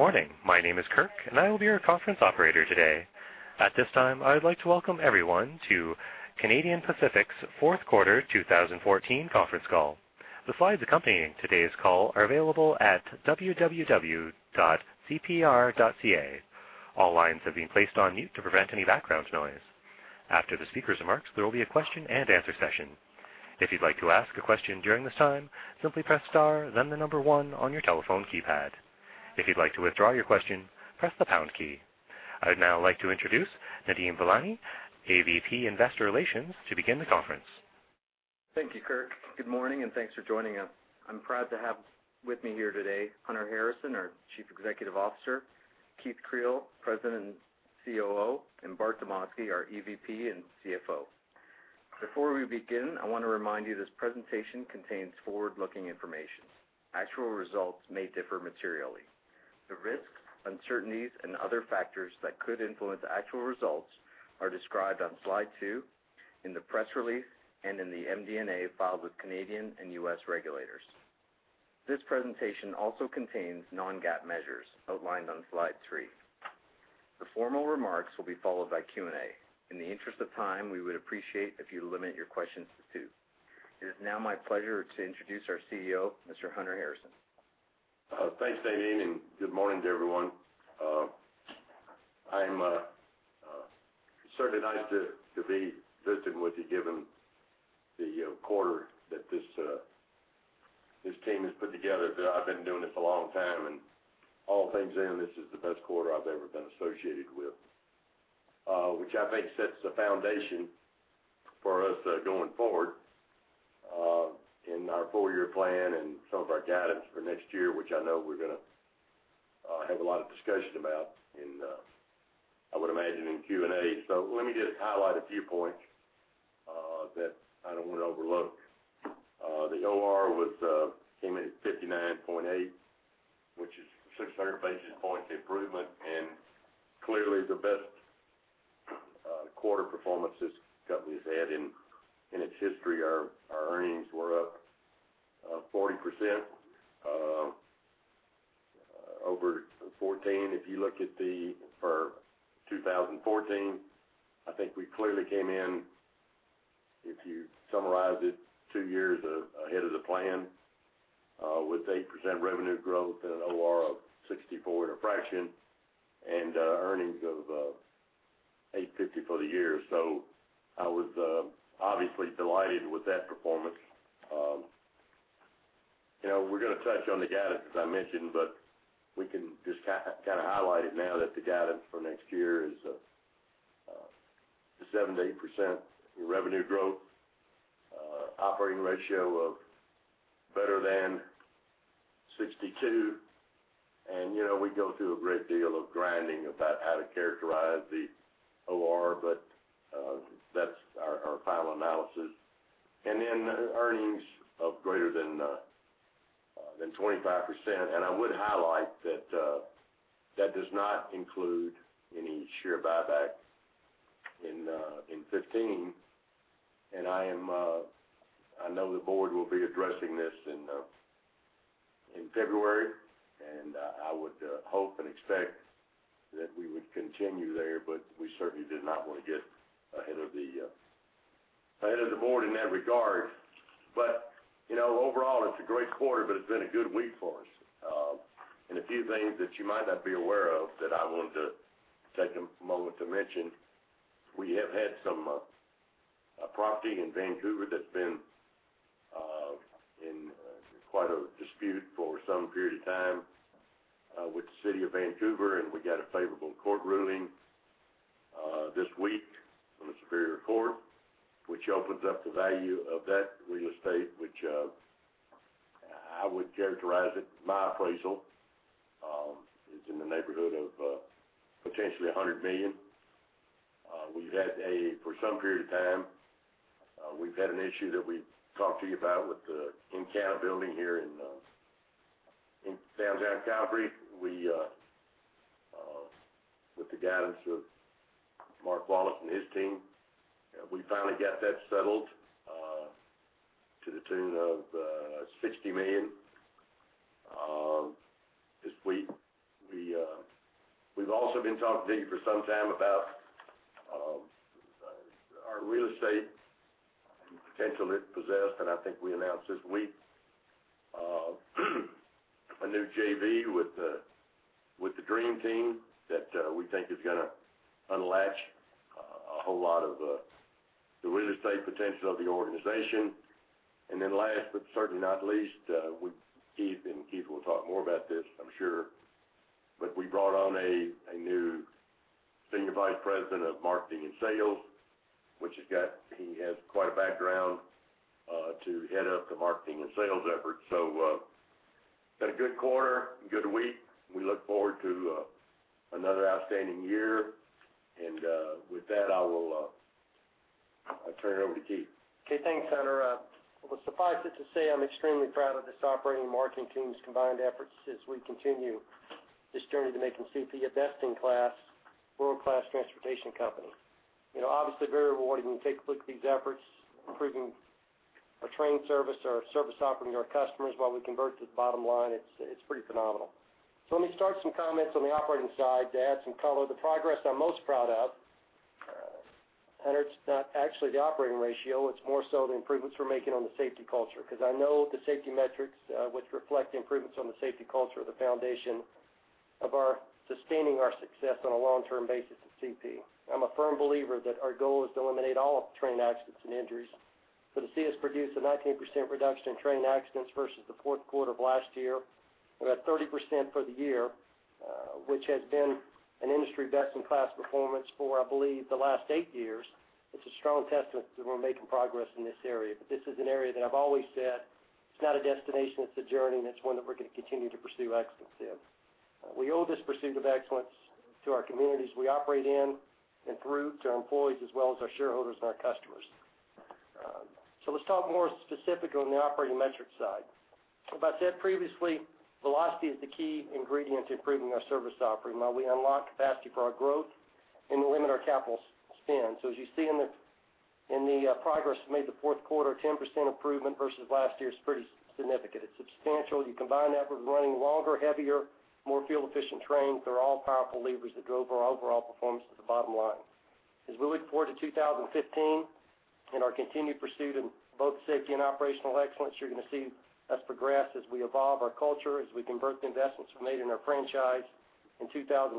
Good morning. My name is Kirk, and I will be your conference operator today. At this time, I would like to welcome everyone to Canadian Pacific's fourth quarter 2014 conference call. The slides accompanying today's call are available at www.cpr.ca. All lines have been placed on mute to prevent any background noise. After the speaker's remarks, there will be a question and answer session. If you'd like to ask a question during this time, simply press star, then the number one on your telephone keypad. If you'd like to withdraw your question, press the pound key. I would now like to introduce Nadeem Velani, EVP Investor Relations, to begin the conference. Thank you, Kirk. Good morning, and thanks for joining us. I'm proud to have with me here today Hunter Harrison, our Chief Executive Officer, Keith Creel, President and COO, and Bart Demosky, our EVP and CFO. Before we begin, I want to remind you this presentation contains forward-looking information. Actual results may differ materially. The risks, uncertainties, and other factors that could influence actual results are described on slide two in the press release and in the MD&A filed with Canadian and U.S. regulators. This presentation also contains non-GAAP measures outlined on slide three. The formal remarks will be followed by Q&A. In the interest of time, we would appreciate if you limit your questions to two. It is now my pleasure to introduce our CEO, Mr. Hunter Harrison. Thanks, Nadeem, and good morning to everyone. I am certainly nice to be visiting with you given the quarter that this team has put together. I've been doing this a long time, and all things in, this is the best quarter I've ever been associated with, which I think sets the foundation for us going forward in our four-year plan and some of our guidance for next year, which I know we're going to have a lot of discussion about, I would imagine, in Q&A. So let me just highlight a few points that I don't want to overlook. The OR came in at 59.8, which is 600 basis points improvement, and clearly the best quarter performance this company has had in its history. Our earnings were up 40% over 2014. If you look at the plan for 2014, I think we clearly came in, if you summarize it, two years ahead of the plan with 8% revenue growth and an OR of 64 and a fraction and earnings of $8.50 for the year. So I was obviously delighted with that performance. We're going to touch on the guidance, as I mentioned, but we can just kind of highlight it now that the guidance for next year is 7%-8% revenue growth, operating ratio of better than 62, and we go through a great deal of grinding about how to characterize the OR, but that's our final analysis. And then earnings of greater than 25%. And I would highlight that that does not include any share buyback in 2015. I know the Board will be addressing this in February, and I would hope and expect that we would continue there, but we certainly did not want to get ahead of the Board in that regard. Overall, it's a great quarter, but it's been a good week for us. A few things that you might not be aware of that I wanted to take a moment to mention. We have had some property in Vancouver that's been in quite a dispute for some period of time with the City of Vancouver, and we got a favorable court ruling this week from the Superior Court, which opens up the value of that real estate, which I would characterize it my appraisal is in the neighborhood of potentially 100 million. We've had for some period of time an issue that we talked to you about with the encapsulation here in downtown Calgary. With the guidance of Mark Wallace and his team, we finally got that settled to the tune of CAD 60 million this week. We've also been talking to you for some time about our real estate and the potential it possessed, and I think we announced this week a new JV with the Dream Team that we think is going to unlock a whole lot of the real estate potential of the organization. Then last but certainly not least, we brought on Keith, and Keith will talk more about this, I'm sure. But we brought on a new senior vice president of marketing and sales, who has quite a background to head up the marketing and sales efforts. It's been a good quarter, good week. We look forward to another outstanding year. With that, I will turn it over to Keith. Okay. Thanks, Hunter. Well, suffice it to say I'm extremely proud of this operating and marketing team's combined efforts as we continue this journey to making CP a best-in-class, world-class transportation company. Obviously, very rewarding when you take a look at these efforts, improving our train service, our service operating to our customers while we contribute to the bottom line. It's pretty phenomenal. So let me start some comments on the operating side to add some color. The progress I'm most proud of, Hunter, it's not actually the operating ratio. It's more so the improvements we're making in the safety culture because I know the safety metrics, which reflect the improvements in the safety culture, are the foundation of sustaining our success on a long-term basis at CP. I'm a firm believer that our goal is to eliminate all train accidents and injuries. So to see us produce a 19% reduction in train accidents versus the fourth quarter of last year, about 30% for the year, which has been an industry best-in-class performance for, I believe, the last eight years, it's a strong testament to that we're making progress in this area. But this is an area that I've always said it's not a destination. It's a journey, and it's one that we're going to continue to pursue excellence in. We owe this pursuit of excellence to our communities we operate in and through, to our employees as well as our shareholders and our customers. So let's talk more specifically on the operating metrics side. If I said previously, velocity is the key ingredient to improving our service offering while we unlock capacity for our growth and limit our capital spend. So as you see in the progress we made the fourth quarter, 10% improvement versus last year is pretty significant. It's substantial. You combine that with running longer, heavier, more fuel-efficient trains, they're all powerful levers that drove our overall performance to the bottom line. As we look forward to 2015 and our continued pursuit of both safety and operational excellence, you're going to see us progress as we evolve our culture, as we convert the investments we made in our franchise in 2014,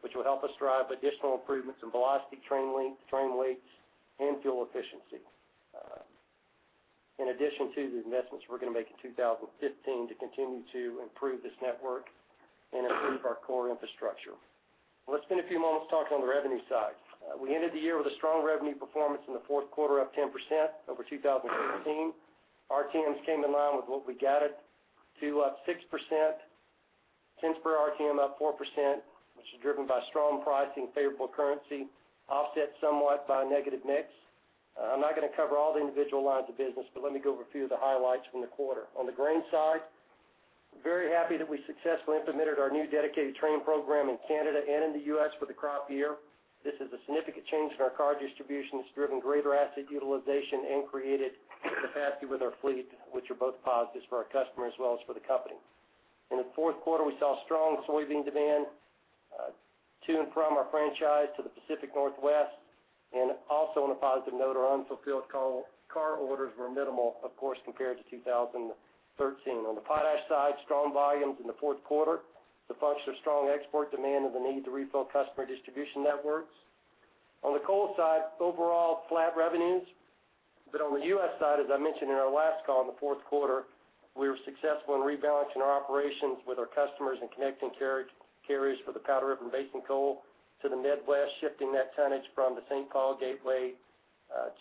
which will help us drive additional improvements in velocity, train weights, and fuel efficiency, in addition to the investments we're going to make in 2015 to continue to improve this network and improve our core infrastructure. Let's spend a few moments talking on the revenue side. We ended the year with a strong revenue performance in the fourth quarter, up 10% over 2015. RTMs came in line with what we guided to up 6%, 10% per RTM up 4%, which is driven by strong pricing, favorable currency, offset somewhat by a negative mix. I'm not going to cover all the individual lines of business, but let me go over a few of the highlights from the quarter. On the grain side, very happy that we successfully implemented our new dedicated train program in Canada and in the U.S. for the crop year. This is a significant change in our car distribution. It's driven greater asset utilization and created capacity with our fleet, which are both positives for our customer as well as for the company. In the fourth quarter, we saw strong soybean demand to and from our franchise to the Pacific Northwest. And also on a positive note, our unfulfilled car orders were minimal, of course, compared to 2013. On the potash side, strong volumes in the fourth quarter, a function of strong export demand and the need to refill customer distribution networks. On the coal side, overall flat revenues. But on the U.S. side, as I mentioned in our last call in the fourth quarter, we were successful in rebalancing our operations with our customers and connecting carriers for the Powder River Basin coal to the Midwest, shifting that tonnage from the St. Paul Gateway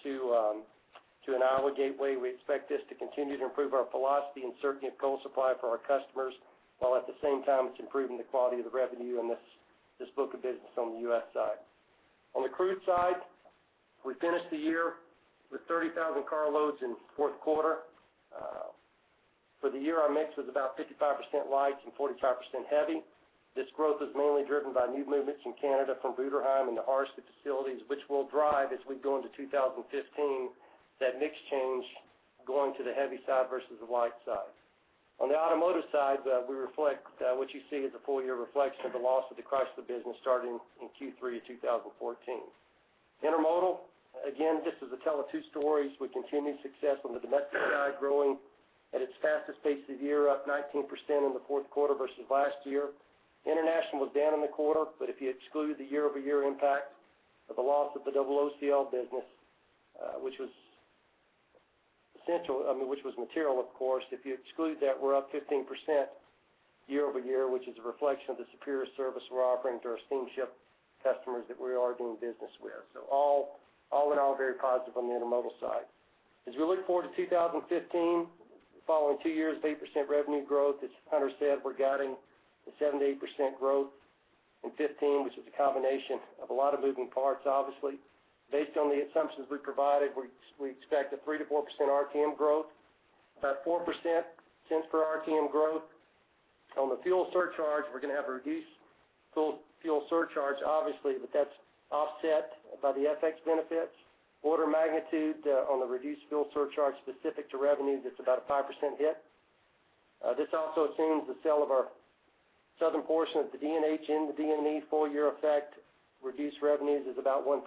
to an Iowa Gateway. We expect this to continue to improve our velocity and certainty of coal supply for our customers while at the same time, it's improving the quality of the revenue and this book of business on the U.S. side. On the crude side, we finished the year with 30,000 carloads in the fourth quarter. For the year, our mix was about 55% light and 45% heavy. This growth was mainly driven by new movements in Canada from Bruderheim and the Hardisty two facilities, which will drive, as we go into 2015, that mix change going to the heavy side versus the light side. On the automotive side, we reflect what you see as a four-year reflection of the loss of the crux of the business starting in Q3 of 2014. Intermodal, again, this is a tale of two stories. We continue success on the domestic side, growing at its fastest pace of the year, up 19% in the fourth quarter versus last year. International was down in the quarter, but if you exclude the year-over-year impact of the loss of the OOCL business, which was essential, I mean, which was material, of course, if you exclude that, we're up 15% year-over-year, which is a reflection of the superior service we're offering to our steamship customers that we are doing business with. So all in all, very positive on the intermodal side. As we look forward to 2015, following two years of 8% revenue growth, as Hunter said, we're guiding to 7%-8% growth in 2015, which is a combination of a lot of moving parts, obviously. Based on the assumptions we provided, we expect 3%-4% RTM growth, about 4% yield per RTM growth. On the fuel surcharge, we're going to have a reduced fuel surcharge, obviously, but that's offset by the FX benefits. Order of magnitude on the reduced fuel surcharge specific to revenues, it's about a 5% hit. This also assumes the sale of our southern portion of the D&H and the DM&E, four-year effect, reduced revenues is about 1%.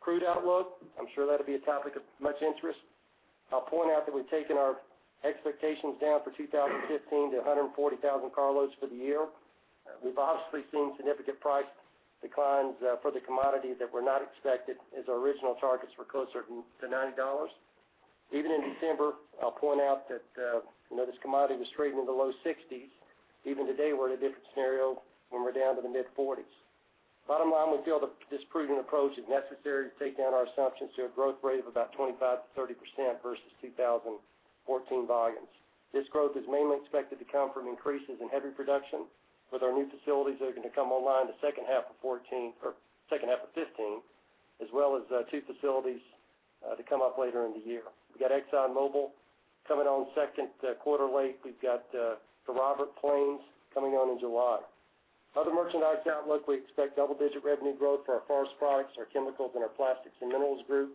Crude outlook, I'm sure that'll be a topic of much interest. I'll point out that we've taken our expectations down for 2015 to 140,000 carloads for the year. We've obviously seen significant price declines for the commodity that were not expected as our original targets were closer to $90. Even in December, I'll point out that this commodity was trading in the low 60s. Even today, we're in a different scenario when we're down to the mid-40s. Bottom line, we feel that this prudent approach is necessary to take down our assumptions to a growth rate of about 25%-30% versus 2014 volumes. This growth is mainly expected to come from increases in heavy production with our new facilities that are going to come online the second half of 2014 or second half of 2015, as well as two facilities to come up later in the year. We got ExxonMobil coming on second quarter late. We've got Kerrobert Plains coming on in July. Other merchandise outlook, we expect double-digit revenue growth for our forest products, our chemicals, and our plastics and minerals groups.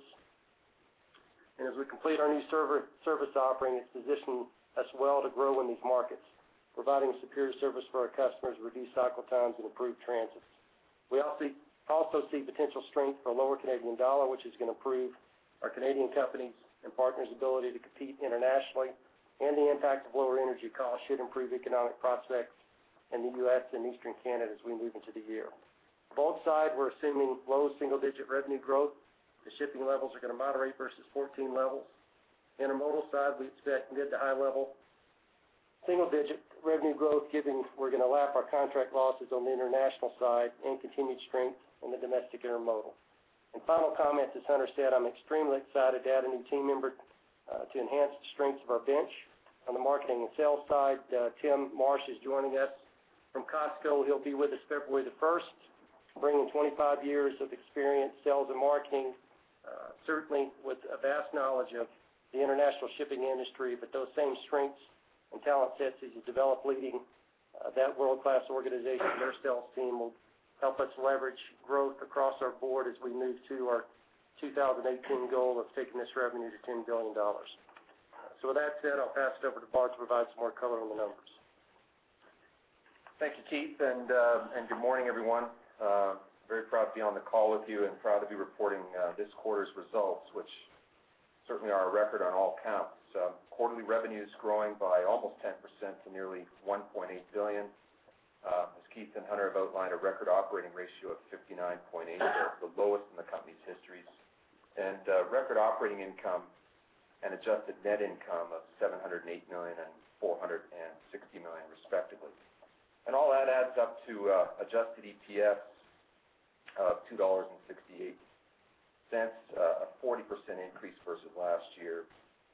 And as we complete our new service offering, it's positioned as well to grow in these markets, providing superior service for our customers, reduced cycle times, and improved transit. We also see potential strength for lower Canadian dollar, which is going to improve our Canadian companies and partners' ability to compete internationally. The impact of lower energy costs should improve economic prospects in the US and Eastern Canada as we move into the year. Bulk side, we're assuming low single-digit revenue growth. The shipping levels are going to moderate versus 2014 levels. Intermodal side, we expect mid- to high single-digit revenue growth, given we're going to lap our contract losses on the international side and continued strength in the domestic intermodal. Final comment, as Hunter said, I'm extremely excited to add a new team member to enhance the strengths of our bench. On the marketing and sales side, Tim Marsh is joining us from COSCO. He'll be with us February the 1st, bringing 25 years of experience sales and marketing, certainly with a vast knowledge of the international shipping industry. But those same strengths and talent sets as you develop leading that world-class organization, their sales team will help us leverage growth across our Board as we move to our 2018 goal of taking this revenue to $10 billion. With that said, I'll pass it over to Bart to provide some more color on the numbers. Thank you, Keith, and good morning, everyone. Very proud to be on the call with you and proud to be reporting this quarter's results, which certainly are a record on all counts. Quarterly revenues growing by almost 10% to nearly $1.8 billion. As Keith and Hunter have outlined, a record operating ratio of 59.8, the lowest in the company's histories. Record operating income and adjusted net income of $708 million and $460 million, respectively. All that adds up to adjusted EPS of $2.68, a 40% increase versus last year.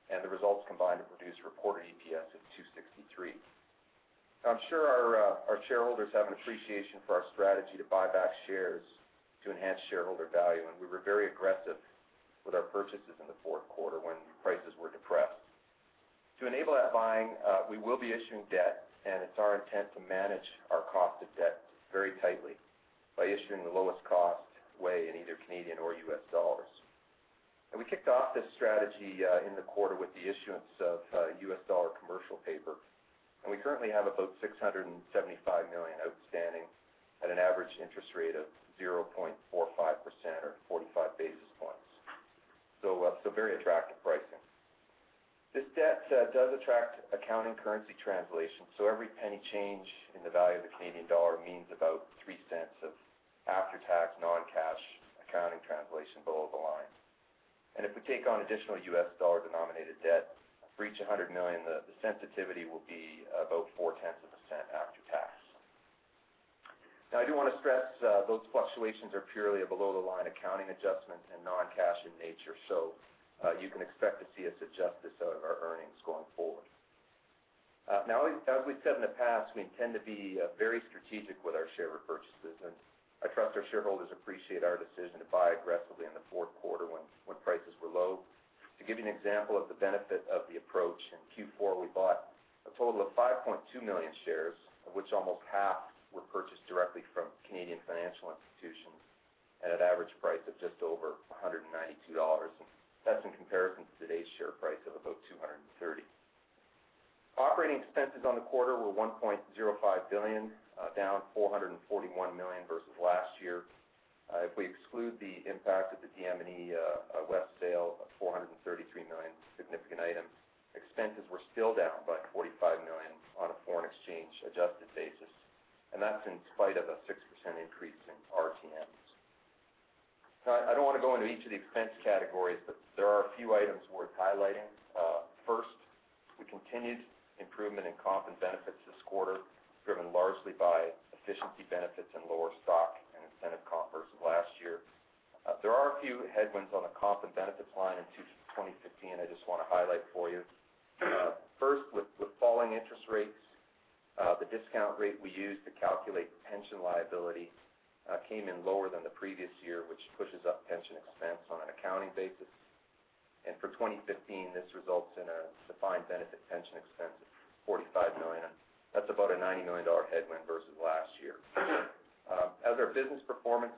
The results combined have produced reported EPS of $2.63. I'm sure our shareholders have an appreciation for our strategy to buy back shares to enhance shareholder value. We were very aggressive with our purchases in the fourth quarter when prices were depressed. To enable that buying, we will be issuing debt, and it's our intent to manage our cost of debt very tightly by issuing the lowest cost way in either Canadian or U.S. dollars. We kicked off this strategy in the quarter with the issuance of U.S. dollar commercial paper. We currently have about $675 million outstanding at an average interest rate of 0.45% or 45 basis points. So very attractive pricing. This debt does attract accounting currency translation. Every penny change in the value of the Canadian dollar means about three cents of after-tax, non-cash accounting translation below the line. If we take on additional U.S. dollar denominated debt for each $100 million, the sensitivity will be about 0.4% after tax. Now, I do want to stress those fluctuations are purely a below-the-line accounting adjustment and non-cash in nature. So you can expect to see us adjust this out of our earnings going forward. Now, as we've said in the past, we intend to be very strategic with our share repurchases. And I trust our shareholders appreciate our decision to buy aggressively in the fourth quarter when prices were low. To give you an example of the benefit of the approach, in Q4, we bought a total of 5.2 million shares, of which almost half were purchased directly from Canadian financial institutions at an average price of just over $192. That's in comparison to today's share price of about $230. Operating expenses on the quarter were $1.05 billion, down $441 million versus last year. If we exclude the impact of the DM&E West sale, $433 million significant items, expenses were still down by $45 million on a foreign exchange adjusted basis. That's in spite of a 6% increase in RTMs. Now, I don't want to go into each of the expense categories, but there are a few items worth highlighting. First, we continued improvement in comp and benefits this quarter, driven largely by efficiency benefits and lower stock and incentive comp versus last year. There are a few headwinds on the comp and benefits line in 2015, I just want to highlight for you. First, with falling interest rates, the discount rate we used to calculate pension liability came in lower than the previous year, which pushes up pension expense on an accounting basis. For 2015, this results in a defined benefit pension expense of $45 million. That's about a $90 million headwind versus last year. As our business performance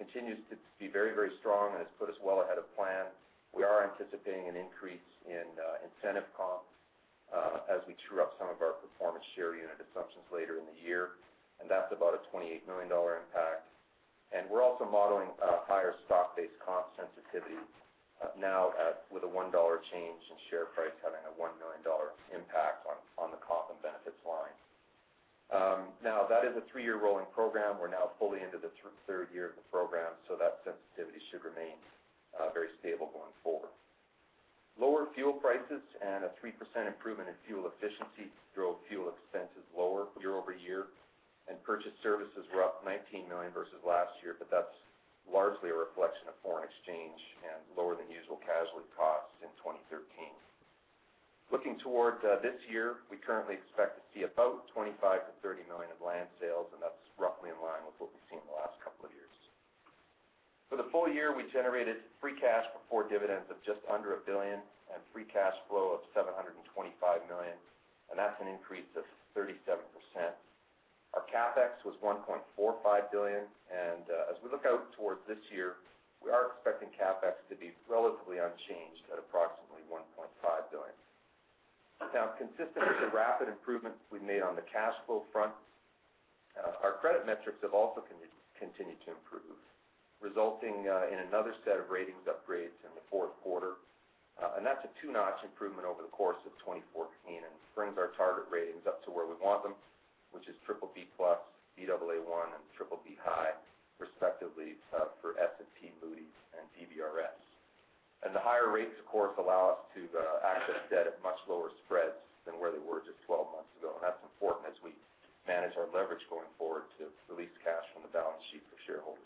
continues to be very, very strong and has put us well ahead of plan, we are anticipating an increase in incentive comp as we true up some of our performance share unit assumptions later in the year. That's about a $28 million impact. We're also modeling higher stock-based comp sensitivity now with a $1 change in share price having a $1 million impact on the comp and benefits line. Now, that is a three-year rolling program. We're now fully into the third year of the program, so that sensitivity should remain very stable going forward. Lower fuel prices and a 3% improvement in fuel efficiency drove fuel expenses lower year-over-year. Purchased services were up $19 million versus last year, but that's largely a reflection of foreign exchange and lower than usual casualty costs in 2013. Looking toward this year, we currently expect to see about 25-30 million in land sales, and that's roughly in line with what we've seen in the last couple of years. For the full year, we generated free cash before dividends of just under one billion and free cash flow of 725 million. That's an increase of 37%. Our CapEx was 1.45 billion. As we look out towards this year, we are expecting CapEx to be relatively unchanged at approximately 1.5 billion. Now, consistent with the rapid improvements we've made on the cash flow front, our credit metrics have also continued to improve, resulting in another set of ratings upgrades in the fourth quarter. That's a two-notch improvement over the course of 2014 and brings our target ratings up to where we want them, which is BBB plus, Baa1, and BBB high, respectively, for S&P, Moody's, and DBRS. The higher rates, of course, allow us to access debt at much lower spreads than where they were just 12 months ago. That's important as we manage our leverage going forward to release cash from the balance sheet for shareholders.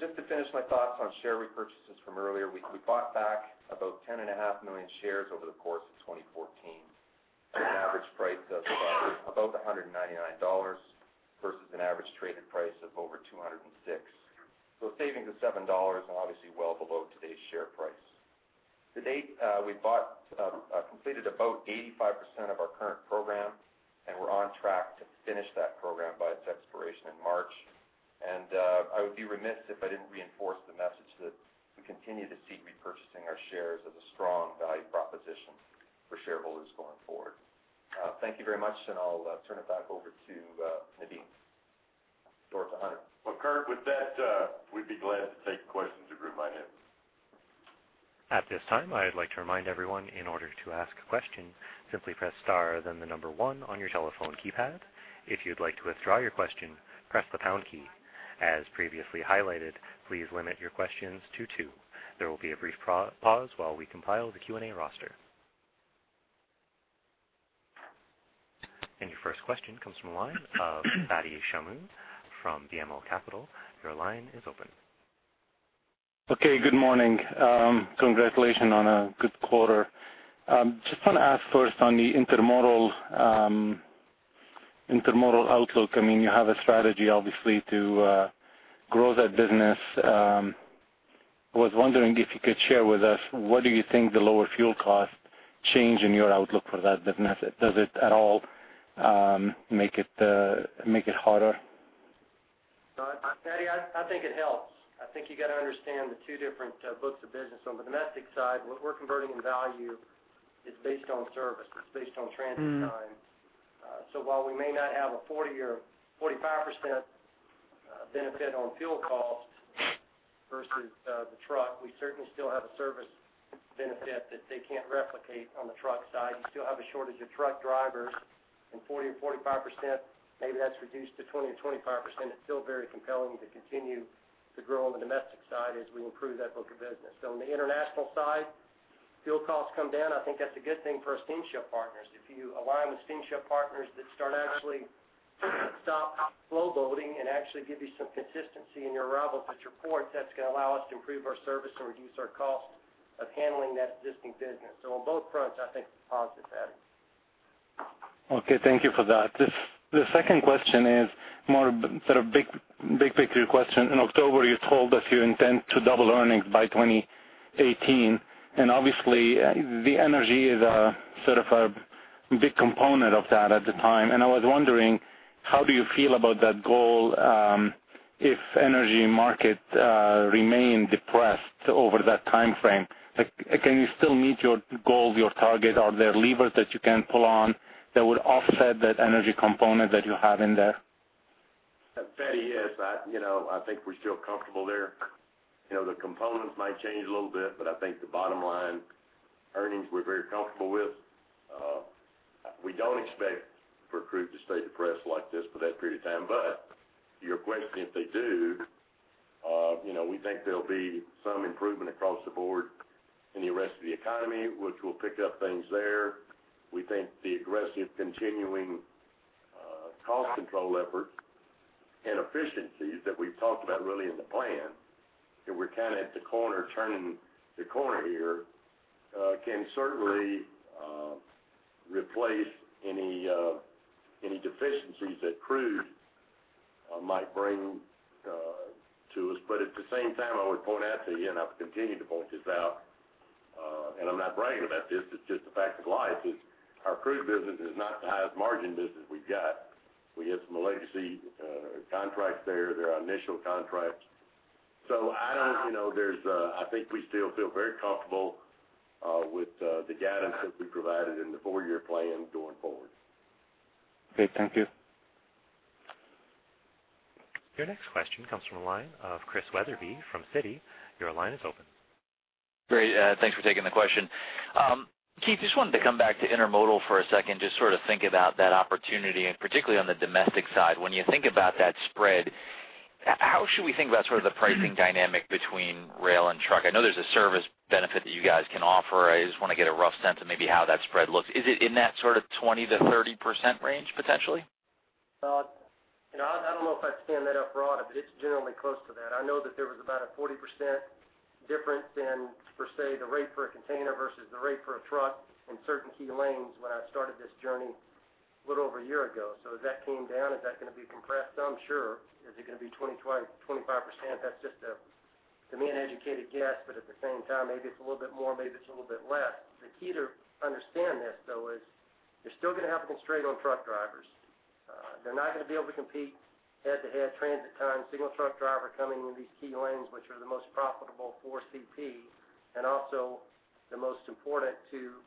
Just to finish my thoughts on share repurchases from earlier, we bought back about 10.5 million shares over the course of 2014 at an average price of about $199 versus an average traded price of over $206. So savings of $7 and obviously well below today's share price. To date, we've completed about 85% of our current program, and we're on track to finish that program by its expiration in March. I would be remiss if I didn't reinforce the message that we continue to see repurchasing our shares as a strong value proposition for shareholders going forward. Thank you very much, and I'll turn it back over to Nadeem. Over to Hunter. Well, Kirk, with that, we'd be glad to take questions if you reminded us. At this time, I'd like to remind everyone, in order to ask a question, simply press star, then the number one on your telephone keypad. If you'd like to withdraw your question, press the pound key. As previously highlighted, please limit your questions to two. There will be a brief pause while we compile the Q&A roster. Your first question comes from a line of Fadi Chamoun from BMO Capital. Your line is open. Okay. Good morning. Congratulations on a good quarter. Just want to ask first on the intermodal outlook. I mean, you have a strategy, obviously, to grow that business. I was wondering if you could share with us, what do you think the lower fuel costs change in your outlook for that business? Does it at all make it harder? Thaddeus, I think it helps. I think you got to understand the two different books of business. On the domestic side, what we're converting in value is based on service. It's based on transit time. So while we may not have a 40% or 45% benefit on fuel costs versus the truck, we certainly still have a service benefit that they can't replicate on the truck side. You still have a shortage of truck drivers, and 40% or 45%, maybe that's reduced to 20% or 25%. It's still very compelling to continue to grow on the domestic side as we improve that book of business. So on the international side, fuel costs come down. I think that's a good thing for our steamship partners. If you align with steamship partners that start actually to stop slow boating and actually give you some consistency in your arrivals at your ports, that's going to allow us to improve our service and reduce our cost of handling that existing business. So on both fronts, I think it's positive, Thaddeus. Okay. Thank you for that. The second question is more sort of big picture question. In October, you told us you intend to double earnings by 2018. And obviously, the energy is sort of a big component of that at the time. And I was wondering, how do you feel about that goal if energy markets remain depressed over that time frame? Can you still meet your goal, your target? Are there levers that you can pull on that would offset that energy component that you have in there? Thaddeus, I think we feel comfortable there. The components might change a little bit, but I think the bottom line earnings, we're very comfortable with. We don't expect for crude to stay depressed like this for that period of time. But your question, if they do, we think there'll be some improvement across the Board in the rest of the economy, which will pick up things there. We think the aggressive continuing cost control efforts and efficiencies that we've talked about really in the plan, and we're kind of at the corner turning the corner here, can certainly replace any deficiencies that crude might bring to us. But at the same time, I would point out to you, and I've continued to point this out, and I'm not bragging about this. It's just a fact of life, our crude business is not the highest margin business we've got. We have some legacy contracts there. There are initial contracts. So, I don't. There's. I think we still feel very comfortable with the guidance that we provided in the four-year plan going forward. Okay. Thank you. Your next question comes from a line of Chris Wetherbee from Citi. Your line is open. Great. Thanks for taking the question. Keith, just wanted to come back to intermodal for a second, just sort of think about that opportunity, and particularly on the domestic side. When you think about that spread, how should we think about sort of the pricing dynamic between rail and truck? I know there's a service benefit that you guys can offer. I just want to get a rough sense of maybe how that spread looks. Is it in that sort of 20%-30% range, potentially? About, I don't know if I'd stand that up broader, but it's generally close to that. I know that there was about a 40% difference in, per se, the rate for a container versus the rate for a truck in certain key lanes when I started this journey a little over a year ago. So as that came down, is that going to be compressed some? Sure. Is it going to be 25%? That's just a to me an educated guess, but at the same time, maybe it's a little bit more, maybe it's a little bit less. The key to understand this, though, is you're still going to have a constraint on truck drivers. They're not going to be able to compete head-to-head transit time, single truck driver coming in these key lanes, which are the most profitable for CP and also the most important to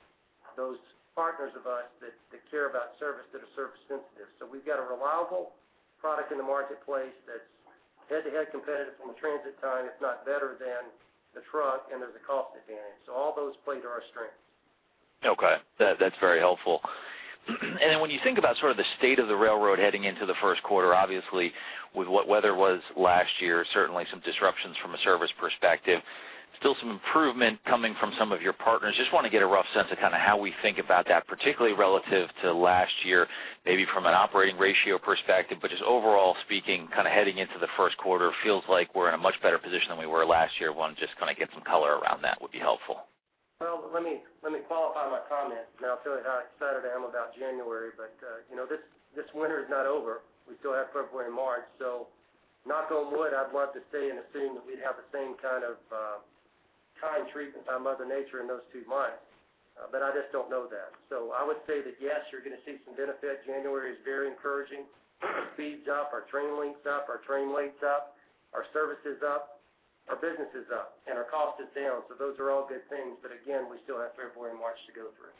those partners of us that care about service that are service-sensitive. So we've got a reliable product in the marketplace that's head-to-head competitive from a transit time, if not better, than the truck, and there's a cost advantage. So all those play to our strengths. Okay. That's very helpful. Then when you think about sort of the state of the railroad heading into the first quarter, obviously, with what weather was last year, certainly some disruptions from a service perspective, still some improvement coming from some of your partners. Just want to get a rough sense of kind of how we think about that, particularly relative to last year, maybe from an operating ratio perspective. Just overall speaking, kind of heading into the first quarter, feels like we're in a much better position than we were last year. Want to just kind of get some color around that would be helpful. Well, let me qualify my comment. I'll tell you how excited I am about January, but this winter is not over. We still have February and March. Knock on wood, I'd love to stay in assuming that we'd have the same kind of kind treatment by Mother Nature in those two months. I just don't know that. I would say that, yes, you're going to see some benefit. January is very encouraging. Speeds up. Our train links up. Our train rates up. Our service is up. Our business is up. And our cost is down. Those are all good things. Again, we still have February and March to go through.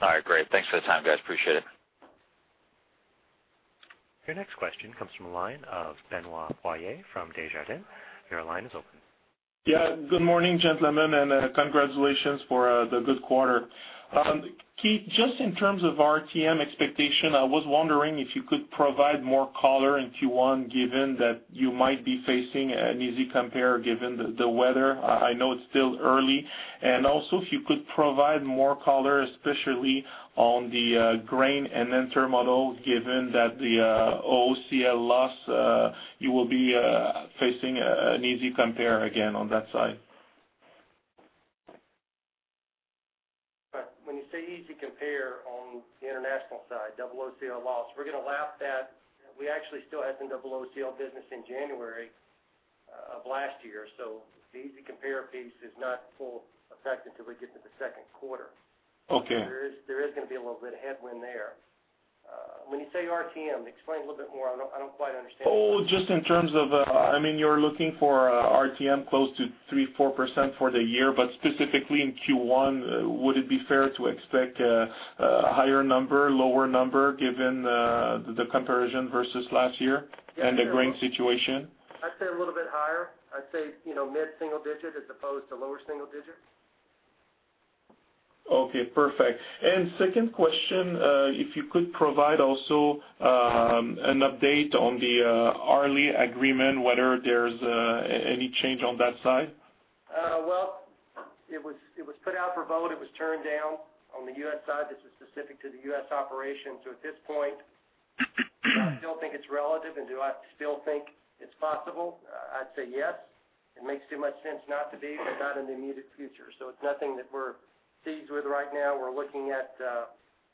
All right. Great. Thanks for the time, guys. Appreciate it. Your next question comes from a line of Benoit Poirier from Desjardins. Your line is open. Yeah. Good morning, gentlemen, and congratulations for the good quarter. Keith, just in terms of RTM expectation, I was wondering if you could provide more color in Q1 given that you might be facing an easy compare given the weather? I know it's still early. Also, if you could provide more color, especially on the grain and then terminal, given that the OOCL loss, you will be facing an easy compare again on that side? When you say easy compare on the international side, OOCL loss, we're going to lap that we actually still had some OOCL business in January of last year. So the easy compare piece is not full effect until we get to the second quarter. So there is going to be a little bit of headwind there. When you say RTM, explain a little bit more. I don't quite understand. Oh, just in terms of I mean, you're looking for RTM close to 3%-4% for the year. But specifically in Q1, would it be fair to expect a higher number, lower number, given the comparison versus last year and the grain situation? I'd say a little bit higher. I'd say mid-single digit as opposed to lower single digit. Okay. Perfect. Second question, if you could provide also an update on the hourly agreement, whether there's any change on that side? Well, it was put out for vote. It was turned down. On the U.S. side, this is specific to the U.S. operation. So at this point, I still think it's relative. And do I still think it's possible? I'd say yes. It makes too much sense not to be, but not in the immediate future. So it's nothing that we're seized with right now. We're looking at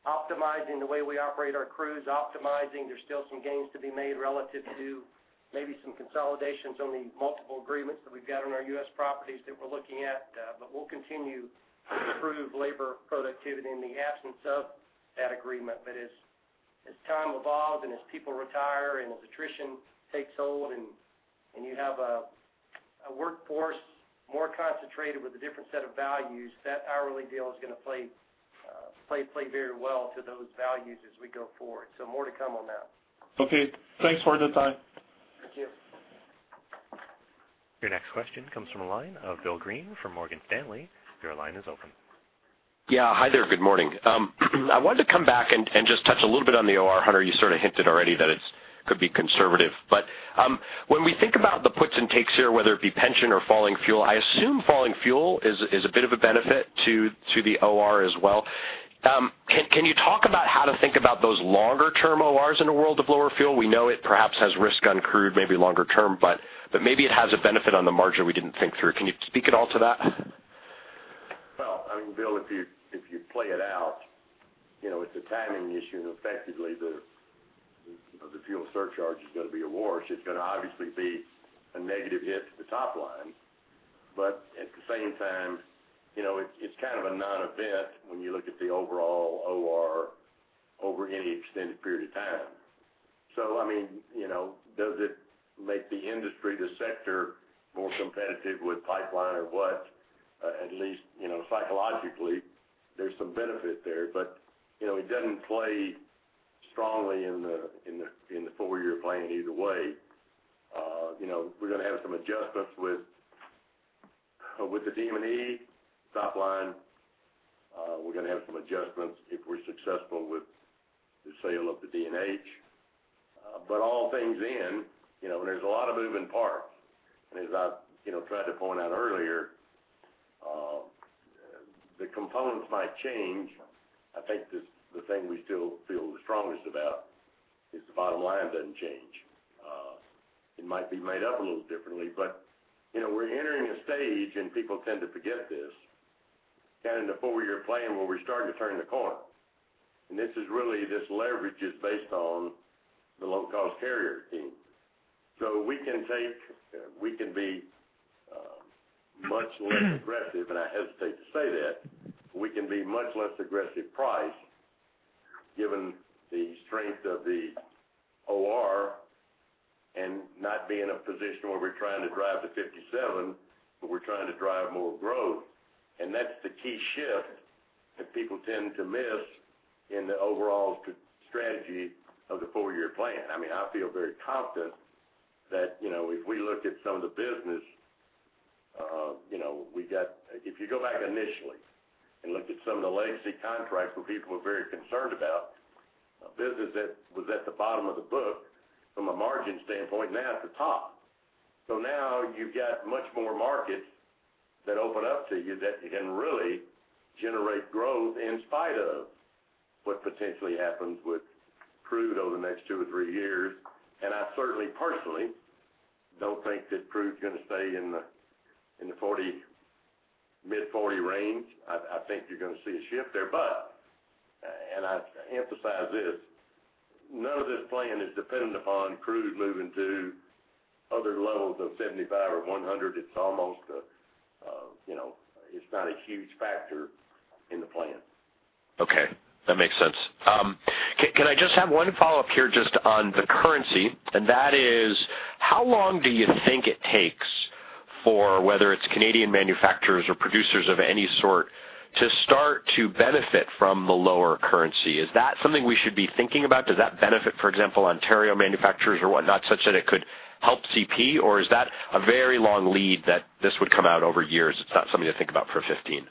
optimizing the way we operate our crews, optimizing. There's still some gains to be made relative to maybe some consolidations on the multiple agreements that we've got on our U.S. properties that we're looking at. But we'll continue to improve labor productivity in the absence of that agreement. But as time evolves and as people retire and as attrition takes hold and you have a workforce more concentrated with a different set of values, that hourly deal is going to play very well to those values as we go forward. So more to come on that. Okay. Thanks for the time. Thank you. Your next question comes from a line of Bill Greene from Morgan Stanley. Your line is open. Yeah. Hi there. Good morning. I wanted to come back and just touch a little bit on the OR. Hunter, you sort of hinted already that it could be conservative. But when we think about the puts and takes here, whether it be pension or falling fuel, I assume falling fuel is a bit of a benefit to the OR as well. Can you talk about how to think about those longer-term ORs in a world of lower fuel? We know it perhaps has risk on crude, maybe longer term, but maybe it has a benefit on the margin we didn't think through. Can you speak at all to that? Well, I mean, Bill, if you play it out, it's a timing issue. And effectively, the fuel surcharge is going to be a wash. It's going to obviously be a negative hit to the top line. But at the same time, it's kind of a non-event when you look at the overall OR over any extended period of time. So I mean, does it make the industry, the sector, more competitive with pipeline or what? At least psychologically, there's some benefit there. But it doesn't play strongly in the four-year plan either way. We're going to have some adjustments with the DM&E top line. We're going to have some adjustments if we're successful with the sale of the D&H. But all things in, and there's a lot of moving parts. And as I tried to point out earlier, the components might change. I think the thing we still feel the strongest about is the bottom line doesn't change. It might be made up a little differently. But we're entering a stage, and people tend to forget this, kind of in the four-year plan where we're starting to turn the corner. And this is really this leverage is based on the low-cost carrier team. So we can be much less aggressive. And I hesitate to say that. We can be much less aggressive price given the strength of the OR and not being in a position where we're trying to drive the 57, but we're trying to drive more growth. And that's the key shift that people tend to miss in the overall strategy of the four-year plan. I mean, I feel very confident that if we look at some of the business we got if you go back initially and look at some of the legacy contracts where people were very concerned about, business that was at the bottom of the book from a margin standpoint, now it's the top. So now you've got much more markets that open up to you that you can really generate growth in spite of what potentially happens with crude over the next two or three years. And I certainly, personally, don't think that crude's going to stay in the mid-40 range. I think you're going to see a shift there. And I emphasize this. None of this plan is dependent upon crude moving to other levels of 75 or 100. It's almost a it's not a huge factor in the plan. Okay. That makes sense. Can I just have one follow-up here just on the currency? And that is, how long do you think it takes for whether it's Canadian manufacturers or producers of any sort to start to benefit from the lower currency? Is that something we should be thinking about? Does that benefit, for example, Ontario manufacturers or whatnot such that it could help CP? Or is that a very long lead that this would come out over years? It's not something to think about for 15?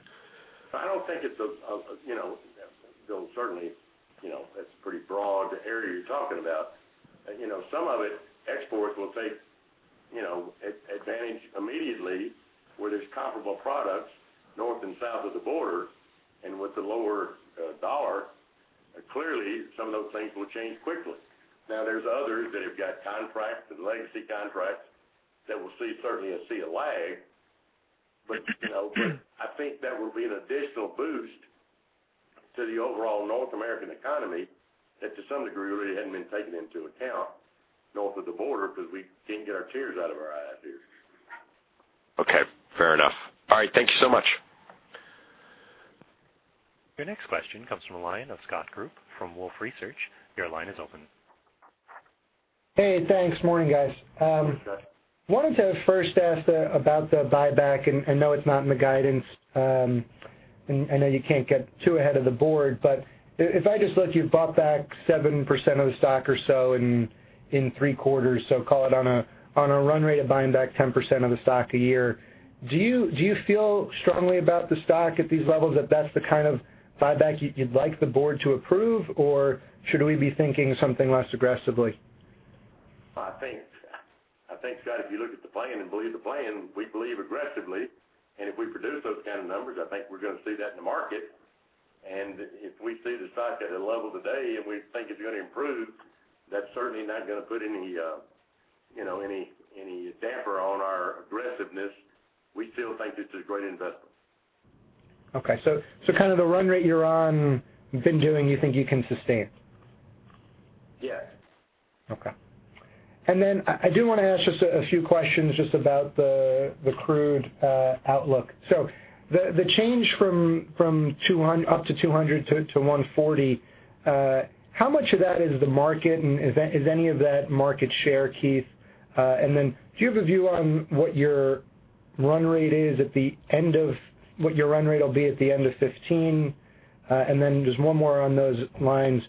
I don't think it's a bill, certainly, that's a pretty broad area you're talking about. Some of it, exports will take advantage immediately where there's comparable products north and south of the border. And with the lower dollar, clearly, some of those things will change quickly. Now, there's others that have got contracts and legacy contracts that will see certainly a sea of lag. But I think that will be an additional boost to the overall North American economy that to some degree really hadn't been taken into account north of the border because we can't get our tears out of our eyes here. Okay. Fair enough. All right. Thank you so much. Your next question comes from a line of Scott Group from Wolfe Research. Your line is open. Hey. Thanks. Morning, guys. Wanted to first ask about the buyback. And no, it's not in the guidance. And I know you can't get too ahead of the Board. But if I just look, you've bought back 7% of the stock or so in three quarters. So call it on a run rate of buying back 10% of the stock a year. Do you feel strongly about the stock at these levels that that's the kind of buyback you'd like the Board to approve? Or should we be thinking something less aggressively? I think, Scott, if you look at the plan and believe the plan, we believe aggressively. And if we produce those kind of numbers, I think we're going to see that in the market. And if we see the stock at a level today and we think it's going to improve, that's certainly not going to put any damper on our aggressiveness. We still think this is a great investment. Okay. So, kind of the run rate you're on, been doing, you think you can sustain? Yes. Okay. And then I do want to ask just a few questions just about the crude outlook. So the change from up to 200 to 140, how much of that is the market? And is any of that market share, Keith? And then do you have a view on what your run rate is at the end of what your run rate will be at the end of 2015? And then just one more on those lines.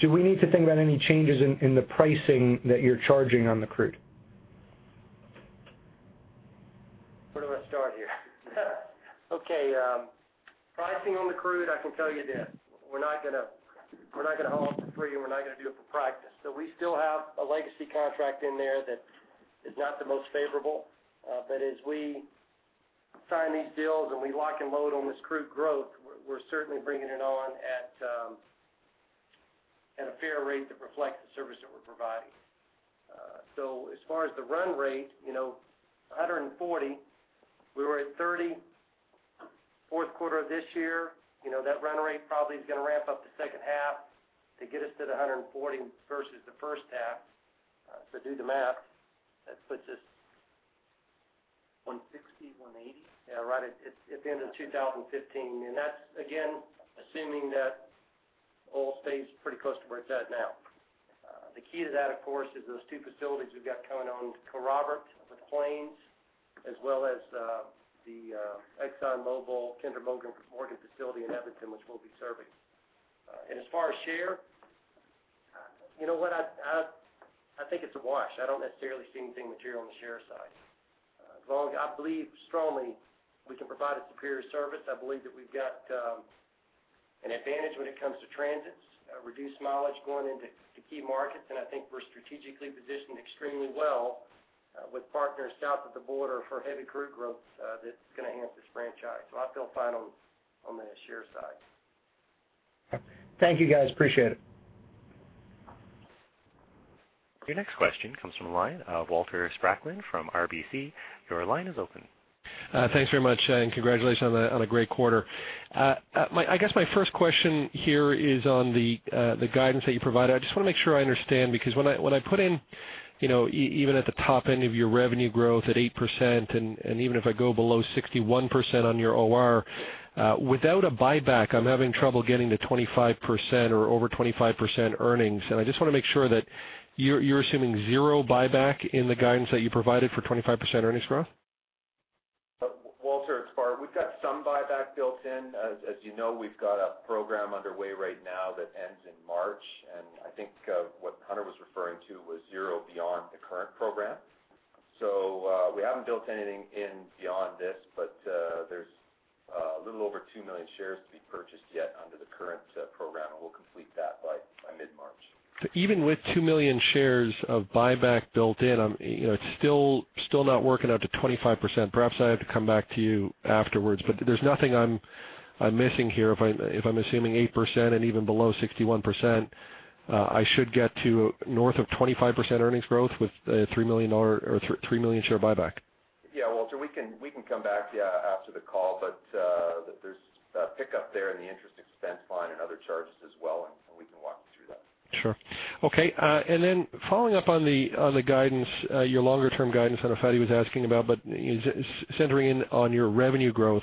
Do we need to think about any changes in the pricing that you're charging on the crude? Where do I start here? Okay. Pricing on the crude, I can tell you this. We're not going to haul it for free. And we're not going to do it for practice. So we still have a legacy contract in there that is not the most favorable. But as we sign these deals and we lock and load on this crude growth, we're certainly bringing it on at a fair rate that reflects the service that we're providing. So as far as the run rate, 140, we were at 30 fourth quarter of this year. That run rate probably is going to ramp up the second half to get us to the 140 versus the first half. So do the math. That puts us. 160, 180? Yeah. Right at the end of 2015. And that's, again, assuming that oil stays pretty close to where it's at now. The key to that, of course, is those two facilities we've got coming on, Kerrobert with Plains as well as the ExxonMobil Kinder Morgan facility in Edmonton, which we'll be serving. As far as share, you know what? I think it's a wash. I don't necessarily see anything material on the share side. As long as I believe strongly we can provide a superior service. I believe that we've got an advantage when it comes to transits, reduced mileage going into key markets. I think we're strategically positioned extremely well with partners south of the border for heavy crude growth that's going to enhance this franchise. So I feel fine on the share side. Thank you, guys. Appreciate it. Your next question comes from a line of Walter Spracklin from RBC. Your line is open. Thanks very much. Congratulations on a great quarter. I guess my first question here is on the guidance that you provide. I just want to make sure I understand because when I put in even at the top end of your revenue growth at 8% and even if I go below 61% on your OR, without a buyback, I'm having trouble getting to 25% or over 25% earnings. I just want to make sure that you're assuming zero buyback in the guidance that you provided for 25% earnings growth? Walter, it's Bart. We've got some buyback built in. As you know, we've got a program underway right now that ends in March. And I think what Hunter was referring to was zero beyond the current program. So we haven't built anything in beyond this. But there's a little over two million shares to be purchased yet under the current program. And we'll complete that by mid-March. So even with two million shares of buyback built in, it's still not working out to 25%. Perhaps I have to come back to you afterwards. But there's nothing I'm missing here. If I'm assuming 8% and even below 61%, I should get to north of 25% earnings growth with a three million share buyback? Yeah, Walter. We can come back after the call. But there's a pickup there in the interest expense line and other charges as well. And we can walk you through that. Sure. Okay. And then following up on the guidance, your longer-term guidance, I don't know if that, he was asking about. But zeroing in on your revenue growth,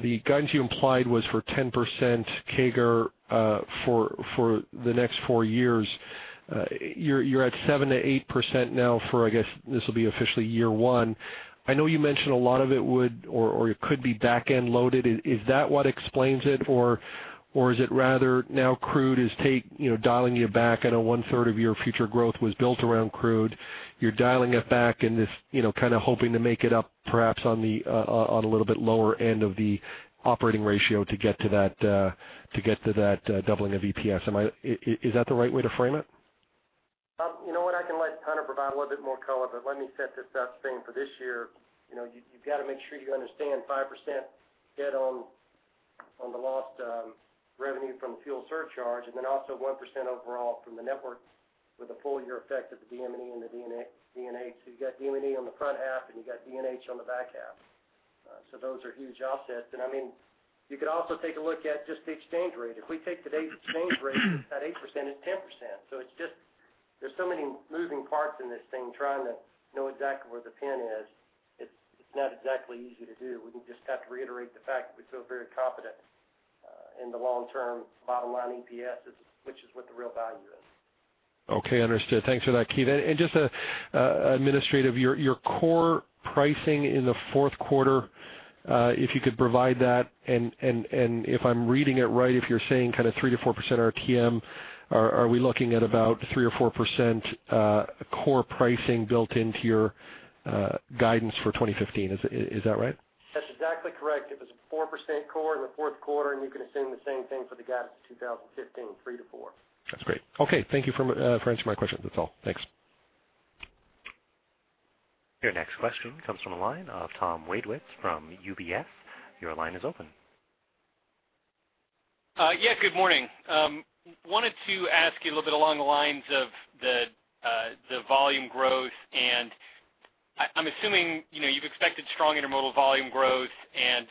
the guidance you implied was for 10% CAGR for the next four years. You're at 7%-8% now for, I guess, this will be officially year one. I know you mentioned a lot of it would or could be back-end loaded. Is that what explains it? Or is it rather now crude is dialing you back? I know one-third of your future growth was built around crude. You're dialing it back and kind of hoping to make it up perhaps on a little bit lower end of the operating ratio to get to that doubling of EPS. Is that the right way to frame it? You know what? I can let Hunter provide a little bit more color. But let me set this up saying for this year, you've got to make sure you understand 5% hit on the lost revenue from the fuel surcharge and then also 1% overall from the network with a full-year effect of the DM&E and the D&H. So you've got DM&E on the front half. And you've got D&H on the back half. So those are huge offsets. And I mean, you could also take a look at just the exchange rate. If we take today's exchange rate at 8%, it's 10%. So there's so many moving parts in this thing trying to know exactly where the pin is. It's not exactly easy to do. We just have to reiterate the fact that we feel very confident in the long-term bottom line EPS, which is what the real value is. Okay. Understood. Thanks for that, Keith. And just administrative, your core pricing in the fourth quarter, if you could provide that. And if I'm reading it right, if you're saying kind of 3%-4% RTM, are we looking at about 3% or 4% core pricing built into your guidance for 2015? Is that right? That's exactly correct. It was a 4% core in the fourth quarter. You can assume the same thing for the guidance of 2015, 3%-4%. That's great. Okay. Thank you for answering my questions. That's all. Thanks. Your next question comes from a line of Tom Wadewitz from UBS. Your line is open. Yeah. Good morning. Wanted to ask you a little bit along the lines of the volume growth. I'm assuming you've expected strong intermodal volume growth and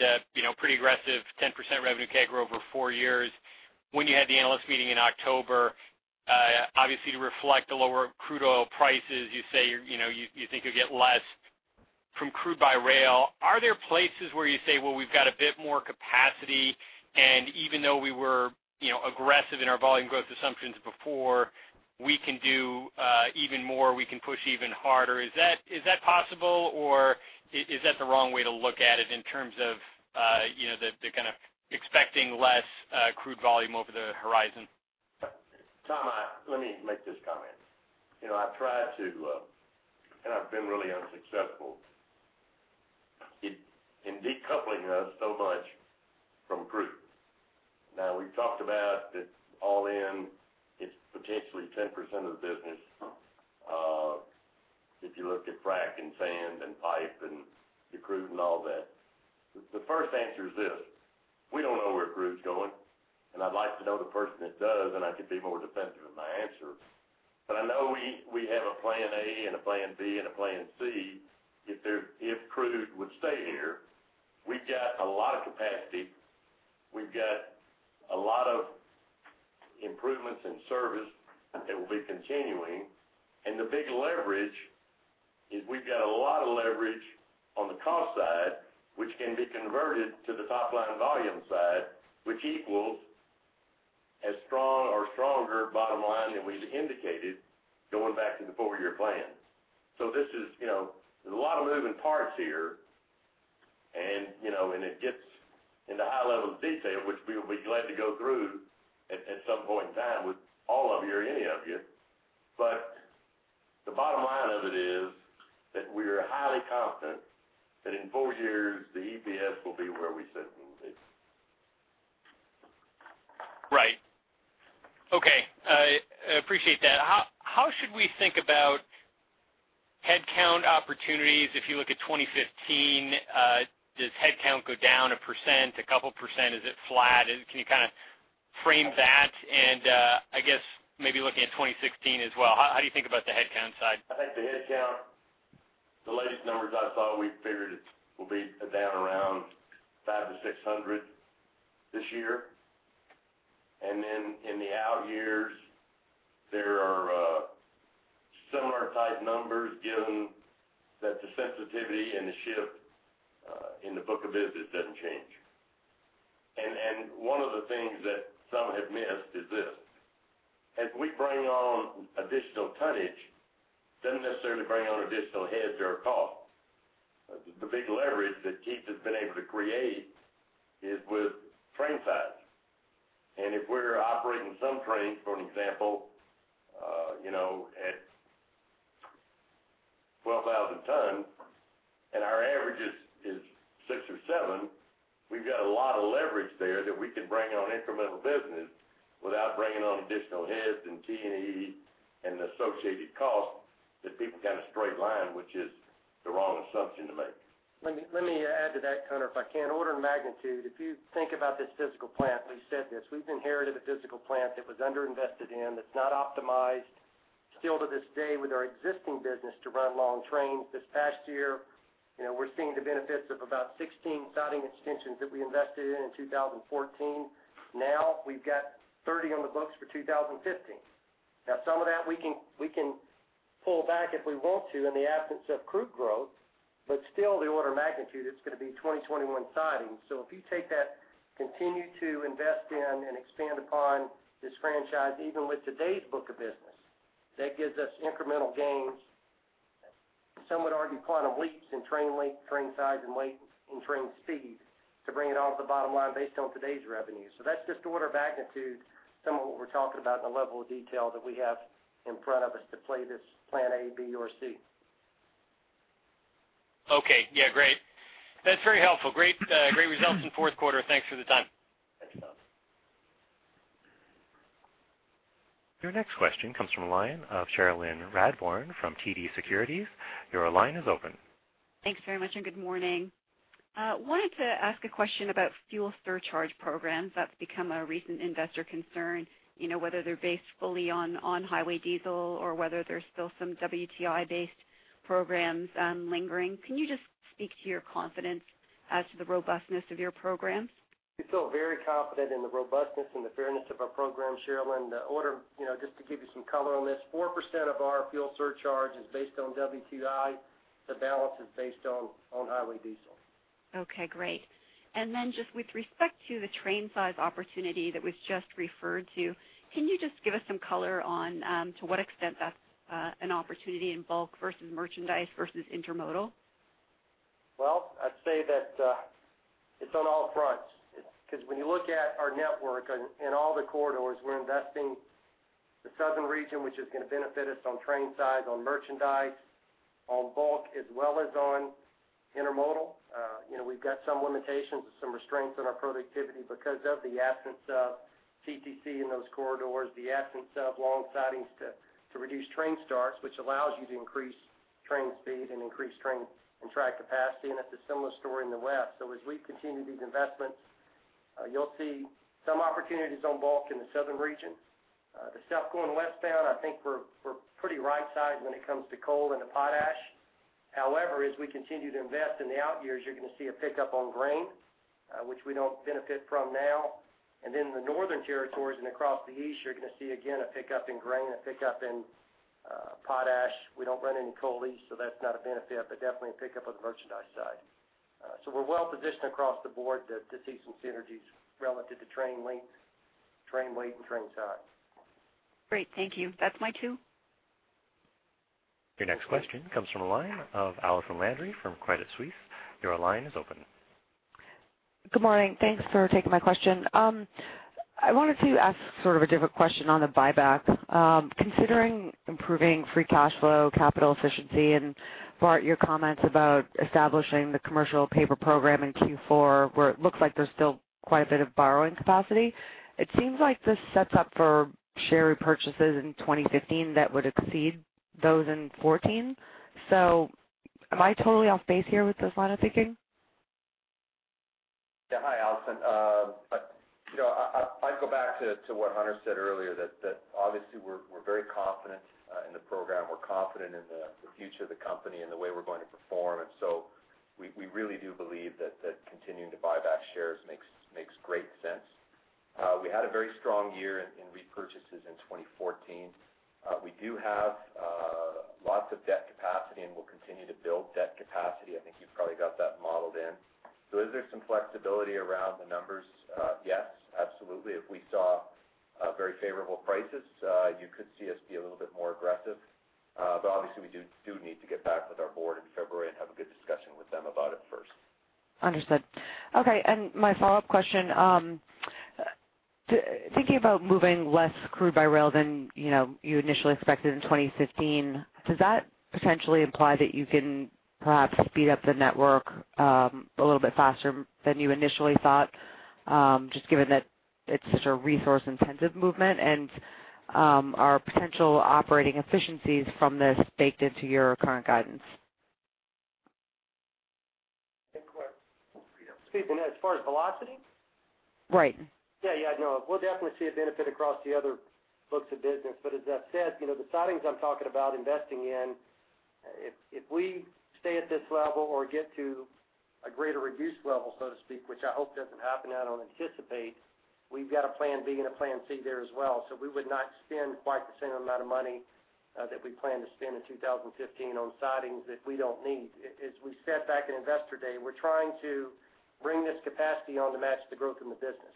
pretty aggressive 10% revenue CAGR over four years. When you had the analyst meeting in October, obviously, to reflect the lower crude oil prices, you say you think you'll get less from crude by rail. Are there places where you say, "Well, we've got a bit more capacity. And even though we were aggressive in our volume growth assumptions before, we can do even more. We can push even harder." Is that possible? Or is that the wrong way to look at it in terms of the kind of expecting less crude volume over the horizon? Tom, let me make this comment. I've tried to and I've been really unsuccessful in decoupling us so much from crude. Now, we've talked about that all in, it's potentially 10% of the business if you look at frac sand and pipe and the crude and all that. The first answer is this. We don't know where crude's going. And I'd like to know the person that does. And I could be more definitive in my answer. But I know we have a plan A and a plan B and a plan C if crude would stay here. We've got a lot of capacity. We've got a lot of improvements in service that will be continuing. The big leverage is we've got a lot of leverage on the cost side, which can be converted to the top-line volume side, which equals a strong or stronger bottom line than we've indicated going back to the four-year plan. There's a lot of moving parts here. It gets into high-level detail, which we'll be glad to go through at some point in time with all of you or any of you. The bottom line of it is that we're highly confident that in four years, the EPS will be where we sit in. Right. Okay. I appreciate that. How should we think about headcount opportunities if you look at 2015? Does headcount go down 1%, 2%? Is it flat? Can you kind of frame that? And I guess maybe looking at 2016 as well, how do you think about the headcount side? I think the headcount, the latest numbers I saw, we figured it will be down around 500-600 this year. Then in the out years, there are similar-type numbers given that the sensitivity and the shift in the book of business doesn't change. One of the things that some have missed is this. As we bring on additional tonnage, it doesn't necessarily bring on additional heads or cost. The big leverage that Keith has been able to create is with train size. If we're operating some train, for an example, at 12,000 tons and our average is six or seven, we've got a lot of leverage there that we can bring on incremental business without bringing on additional heads and T&E and the associated cost that people kind of straight-line, which is the wrong assumption to make. Let me add to that, Hunter, if I can. Order of magnitude, if you think about this physical plant we said this. We've inherited a physical plant that was underinvested in, that's not optimized, still to this day with our existing business to run long trains. This past year, we're seeing the benefits of about 16 siding extensions that we invested in in 2014. Now, we've got 30 on the books for 2015. Now, some of that, we can pull back if we want to in the absence of crude growth. But still, the order of magnitude, it's going to be 20-to-1 upside. So if you take that, continue to invest in and expand upon this franchise even with today's book of business, that gives us incremental gains, some would argue quantum leaps in train size and weight and train speed to bring it off the bottom line based on today's revenue. So that's just order of magnitude, some of what we're talking about and the level of detail that we have in front of us to play this plan A, B, or C. Okay. Yeah. Great. That's very helpful. Great results in fourth quarter. Thanks for the time. Thanks, Tom. Your next question comes from a line of Cherilyn Radbourne from TD Securities. Your line is open. Thanks very much. Good morning. Wanted to ask a question about fuel surcharge programs that's become a recent investor concern, whether they're based fully on highway diesel or whether there's still some WTI-based programs lingering. Can you just speak to your confidence as to the robustness of your programs? We feel very confident in the robustness and the fairness of our program, Cherilyn. Just to give you some color on this, 4% of our fuel surcharge is based on WTI. The balance is based on highway diesel. Okay. Great. And then just with respect to the train size opportunity that was just referred to, can you just give us some color on to what extent that's an opportunity in bulk versus merchandise versus intermodal? Well, I'd say that it's on all fronts because when you look at our network in all the corridors, we're investing the southern region, which is going to benefit us on train size, on merchandise, on bulk, as well as on intermodal. We've got some limitations and some restraints on our productivity because of the absence of CTC in those corridors, the absence of long sidings to reduce train starts, which allows you to increase train speed and increase train and track capacity. It's a similar story in the West. As we continue these investments, you'll see some opportunities on bulk in the southern region. The stuff going westbound, I think we're pretty right-sized when it comes to coal and to potash. However, as we continue to invest in the out years, you're going to see a pickup on grain, which we don't benefit from now. And then in the northern territories and across the East, you're going to see, again, a pickup in grain, a pickup in potash. We don't run any coal East. So that's not a benefit but definitely a pickup on the merchandise side. So we're well-positioned across the Board to see some synergies relative to train length, train weight, and train size. Great. Thank you. That's my two. Your next question comes from a line of Allison Landry from Credit Suisse. Your line is open. Good morning. Thanks for taking my question. I wanted to ask sort of a different question on the buyback. Considering improving free cash flow, capital efficiency, and Bart, your comments about establishing the commercial paper program in Q4 where it looks like there's still quite a bit of borrowing capacity, it seems like this sets up for share repurchases in 2015 that would exceed those in 2014. So am I totally off base here with this line of thinking? Yeah. Hi, Allison. I'd go back to what Hunter said earlier, that obviously, we're very confident in the program. We're confident in the future of the company and the way we're going to perform. And so we really do believe that continuing to buy back shares makes great sense. We had a very strong year in repurchases in 2014. We do have lots of debt capacity. And we'll continue to build debt capacity. I think you've probably got that modeled in. So is there some flexibility around the numbers? Yes, absolutely. If we saw very favorable prices, you could see us be a little bit more aggressive. But obviously, we do need to get back with our Board in February and have a good discussion with them about it first. Understood. Okay. My follow-up question, thinking about moving less crude by rail than you initially expected in 2015, does that potentially imply that you can perhaps speed up the network a little bit faster than you initially thought just given that it's such a resource-intensive movement and are potential operating efficiencies from this baked into your current guidance? Excellent. Allison. Keith, and as far as velocity? Right. Yeah. Yeah. No. We'll definitely see a benefit across the other books of business. But as I've said, the sidings I'm talking about investing in, if we stay at this level or get to a greater reduced level, so to speak, which I hope doesn't happen. I don't anticipate, we've got a plan B and a plan C there as well. So we would not spend quite the same amount of money that we plan to spend in 2015 on sidings that we don't need. As we sat back in Investor Day, we're trying to bring this capacity on to match the growth in the business.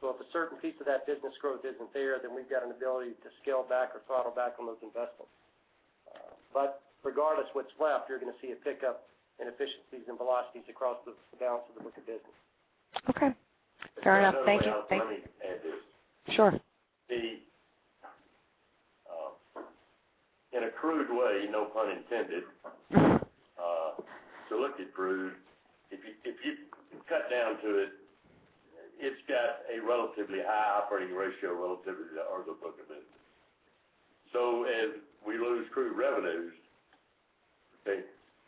So if a certain piece of that business growth isn't there, then we've got an ability to scale back or throttle back on those investments. Regardless, what's left, you're going to see a pickup in efficiencies and velocities across the balance of the book of business. Okay. Fair enough. Thank you. Thank you. Let me add this. Sure. In a crude way, no pun intended, to look at crude, if you cut down to it, it's got a relatively high operating ratio relative to the order book of business. So as we lose crude revenues, we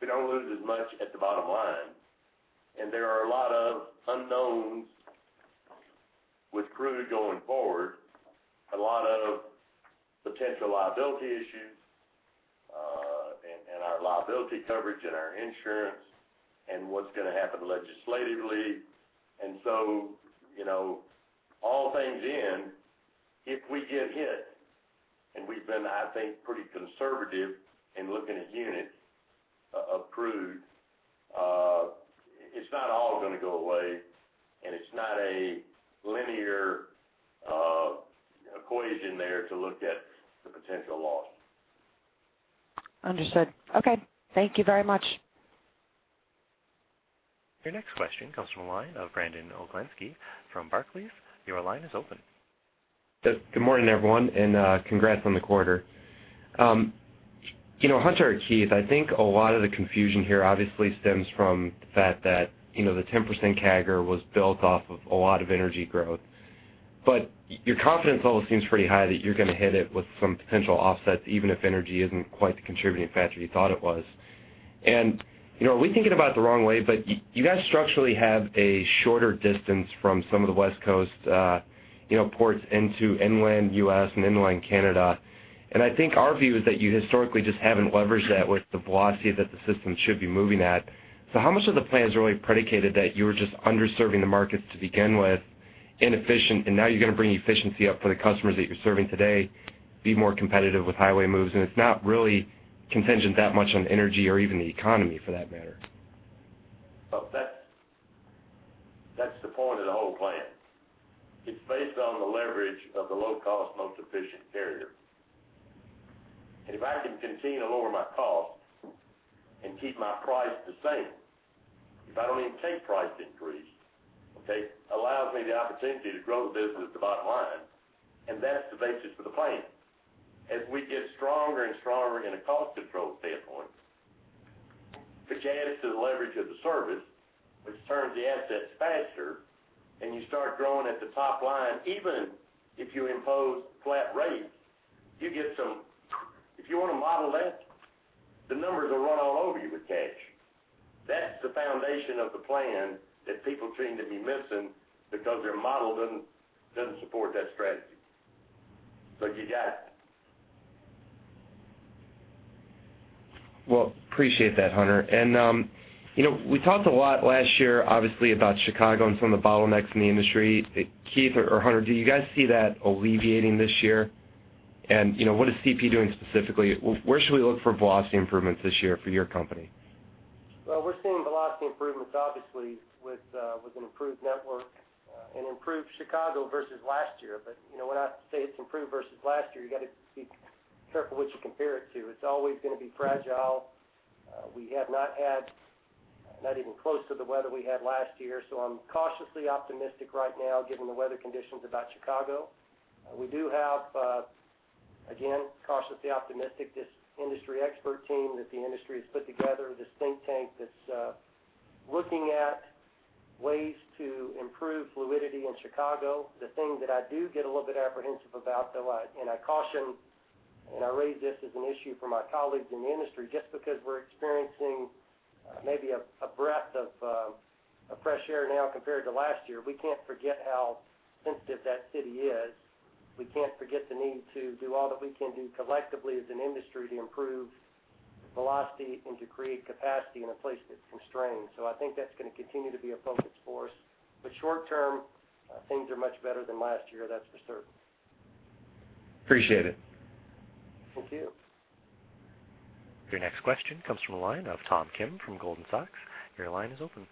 don't lose as much at the bottom line. And there are a lot of unknowns with crude going forward, a lot of potential liability issues and our liability coverage and our insurance and what's going to happen legislatively. And so all things in, if we get hit and we've been, I think, pretty conservative in looking at units of crude, it's not all going to go away. And it's not a linear equation there to look at the potential loss. Understood. Okay. Thank you very much. Your next question comes from a line of Brandon Oglenski from Barclays. Your line is open. Good morning, everyone. Congrats on the quarter. Hunter or Keith, I think a lot of the confusion here, obviously, stems from the fact that the 10% CAGR was built off of a lot of energy growth. Your confidence always seems pretty high that you're going to hit it with some potential offsets even if energy isn't quite the contributing factor you thought it was. Are we thinking about it the wrong way? You guys structurally have a shorter distance from some of the West Coast ports into inland U.S. and inland Canada. I think our view is that you historically just haven't leveraged that with the velocity that the system should be moving at. How much of the plan is really predicated that you were just underserving the markets to begin with, inefficient, and now you're going to bring efficiency up for the customers that you're serving today, be more competitive with highway moves? It's not really contingent that much on energy or even the economy for that matter. So that's the point of the whole plan. It's based on the leverage of the low-cost, most efficient carrier. And if I can continue to lower my cost and keep my price the same, if I don't even take price increase, okay, allows me the opportunity to grow the business at the bottom line. And that's the basis for the plan. As we get stronger and stronger in a cost control standpoint, the juice to the leverage of the service, which turns the assets faster, and you start growing at the top line, even if you impose flat rates, you get some if you want to model that, the numbers will run all over you with cash. That's the foundation of the plan that people seem to be missing because their model doesn't support that strategy. So you got it. Well, appreciate that, Hunter. We talked a lot last year, obviously, about Chicago and some of the bottlenecks in the industry. Keith or Hunter, do you guys see that alleviating this year? What is CP doing specifically? Where should we look for velocity improvements this year for your company? Well, we're seeing velocity improvements, obviously, with an improved network and improved Chicago versus last year. But when I say it's improved versus last year, you got to be careful what you compare it to. It's always going to be fragile. We have not had, not even close to the weather we had last year. So I'm cautiously optimistic right now, given the weather conditions about Chicago. We do have, again, cautiously optimistic, this industry expert team that the industry has put together, this think tank that's looking at ways to improve fluidity in Chicago. The thing that I do get a little bit apprehensive about, though, and I raise this as an issue for my colleagues in the industry, just because we're experiencing maybe a breath of fresh air now compared to last year, we can't forget how sensitive that city is. We can't forget the need to do all that we can do collectively as an industry to improve velocity and to create capacity in a place that's constrained. So I think that's going to continue to be a focus for us. But short-term, things are much better than last year. That's for certain. Appreciate it. Thank you. Your next question comes from a line of Tom Kim from Goldman Sachs. Your line is open.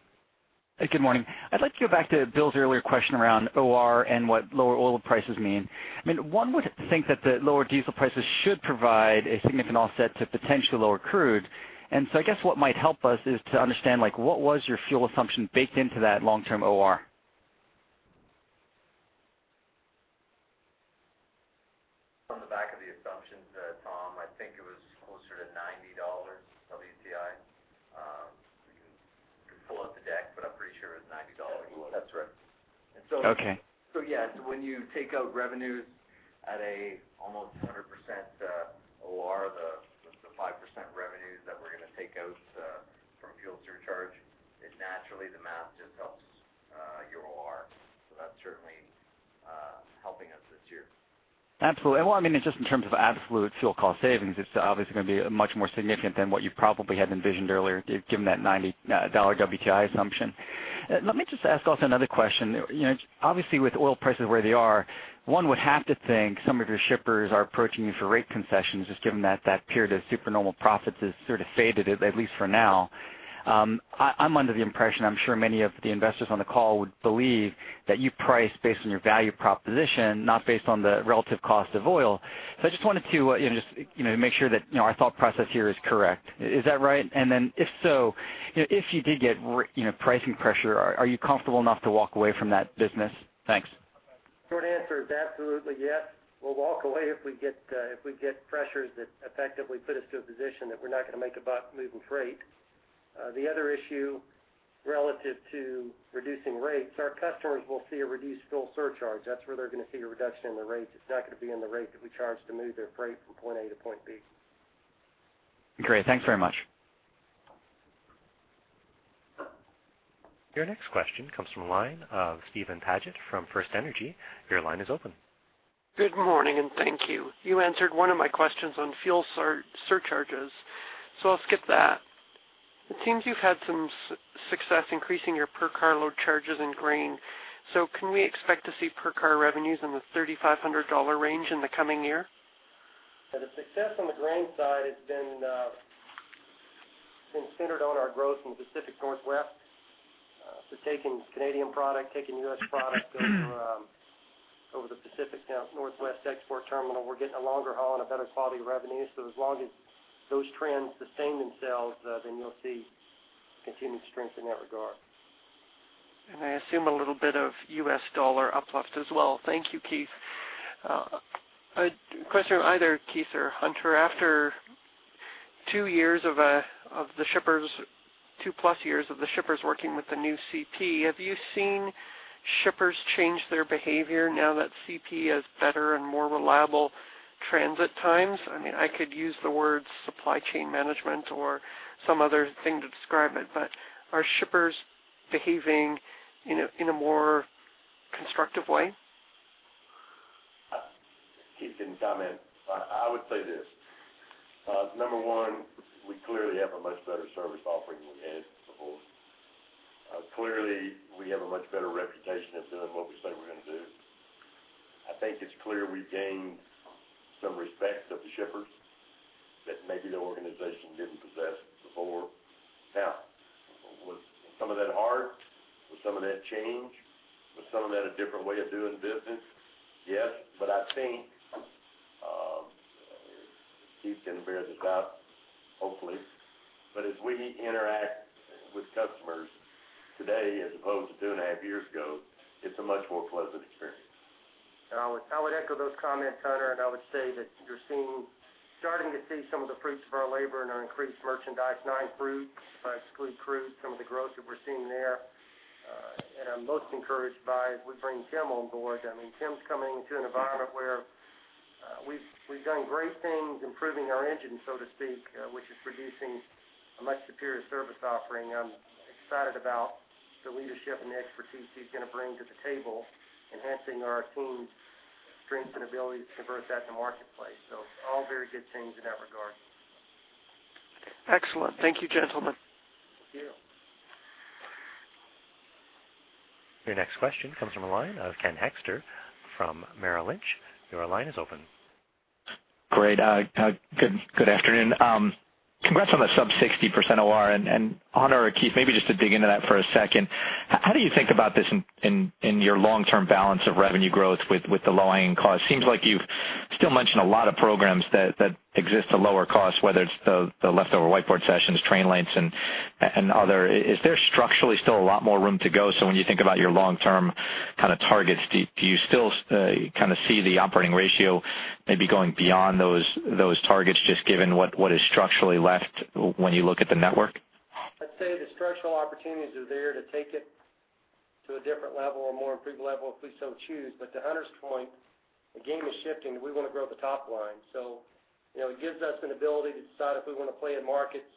Hey. Good morning. I'd like to go back to Bill's earlier question around OR and what lower oil prices mean. I mean, one would think that the lower diesel prices should provide a significant offset to potentially lower crude. And so I guess what might help us is to understand what was your fuel assumption baked into that long-term OR? From the back of the assumptions, Tom, I think it was closer to $90 WTI. We can pull out the deck, but I'm pretty sure it was $90. Well, that's right. That's right. And so. Okay. Yeah. So when you take out revenues at an almost 100% OR, the 5% revenues that we're going to take out from fuel surcharge, naturally, the math just helps your OR. So that's certainly helping us this year. Absolutely. Well, I mean, just in terms of absolute fuel cost savings, it's obviously going to be much more significant than what you probably had envisioned earlier given that $90 WTI assumption. Let me just ask also another question. Obviously, with oil prices where they are, one would have to think some of your shippers are approaching you for rate concessions just given that that period of supernormal profits has sort of faded, at least for now. I'm under the impression, I'm sure many of the investors on the call would believe, that you price based on your value proposition, not based on the relative cost of oil. So I just wanted to just make sure that our thought process here is correct. Is that right? And then if so, if you did get pricing pressure, are you comfortable enough to walk away from that business? Thanks. Short answer is absolutely yes. We'll walk away if we get pressures that effectively put us to a position that we're not going to make a buck moving freight. The other issue relative to reducing rates, our customers will see a reduced fuel surcharge. That's where they're going to see a reduction in the rates. It's not going to be in the rate that we charge to move their freight from point A to point B. Great. Thanks very much. Your next question comes from a line of Stephen Paget from FirstEnergy Capital. Your line is open. Good morning. Thank you. You answered one of my questions on fuel surcharges. I'll skip that. It seems you've had some success increasing your per-car load charges in grain. Can we expect to see per-car revenues in the $3,500 range in the coming year? The success on the grain side has been centered on our growth in the Pacific Northwest. So taking Canadian product, taking U.S. product over the Pacific Northwest export terminal, we're getting a longer haul and a better quality of revenue. So as long as those trends sustain themselves, then you'll see continued strength in that regard. I assume a little bit of US dollar uplift as well. Thank you, Keith. A question from either Keith or Hunter. After 2+ years of the shippers working with the new CP, have you seen shippers change their behavior now that CP has better and more reliable transit times? I mean, I could use the words supply chain management or some other thing to describe it. But are shippers behaving in a more constructive way? Keith can comment. I would say this. Number one, we clearly have a much better service offering than we had before. Clearly, we have a much better reputation of doing what we say we're going to do. I think it's clear we've gained some respect of the shippers that maybe the organization didn't possess before. Now, was some of that hard? Was some of that change? Was some of that a different way of doing business? Yes. But I think Keith can bear this out, hopefully. But as we interact with customers today as opposed to two and a half years ago, it's a much more pleasant experience. And I would echo those comments, Hunter. And I would say that you're starting to see some of the fruits of our labor in our increased merchandise non-crude, if I exclude crude, some of the growth that we're seeing there. And I'm most encouraged by as we bring Tim on Board. I mean, Tim's coming into an environment where we've done great things, improving our engine, so to speak, which is producing a much superior service offering. I'm excited about the leadership and the expertise he's going to bring to the table, enhancing our team's strengths and abilities to convert that to marketplace. So all very good things in that regard. Excellent. Thank you, gentlemen. Thank you. Your next question comes from a line of Ken Hoexter from Merrill Lynch. Your line is open. Great. Good afternoon. Congrats on the sub-60% OR. Hunter or Keith, maybe just to dig into that for a second, how do you think about this in your long-term balance of revenue growth with the low hanging cost? Seems like you've still mentioned a lot of programs that exist at lower costs, whether it's the leftover whiteBoard sessions, train lengths, and other. Is there structurally still a lot more room to go? When you think about your long-term kind of targets, do you still kind of see the operating ratio maybe going beyond those targets just given what is structurally left when you look at the network? I'd say the structural opportunities are there to take it to a different level or a more improved level if we so choose. But to Hunter's point, the game is shifting. We want to grow at the top line. So it gives us an ability to decide if we want to play in markets.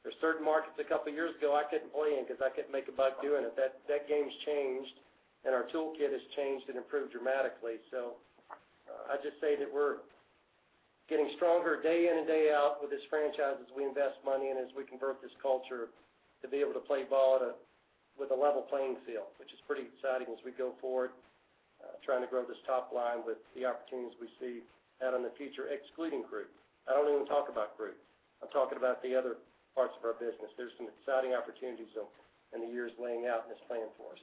There's certain markets a couple of years ago I couldn't play in because I couldn't make a buck doing it. That game's changed. And our toolkit has changed and improved dramatically. So I'd just say that we're getting stronger day in and day out with this franchise as we invest money and as we convert this culture to be able to play ball with a level playing field, which is pretty exciting as we go forward trying to grow this top line with the opportunities we see out in the future excluding crude. I don't even talk about crude. I'm talking about the other parts of our business. There's some exciting opportunities in the years laying out in this plan for us.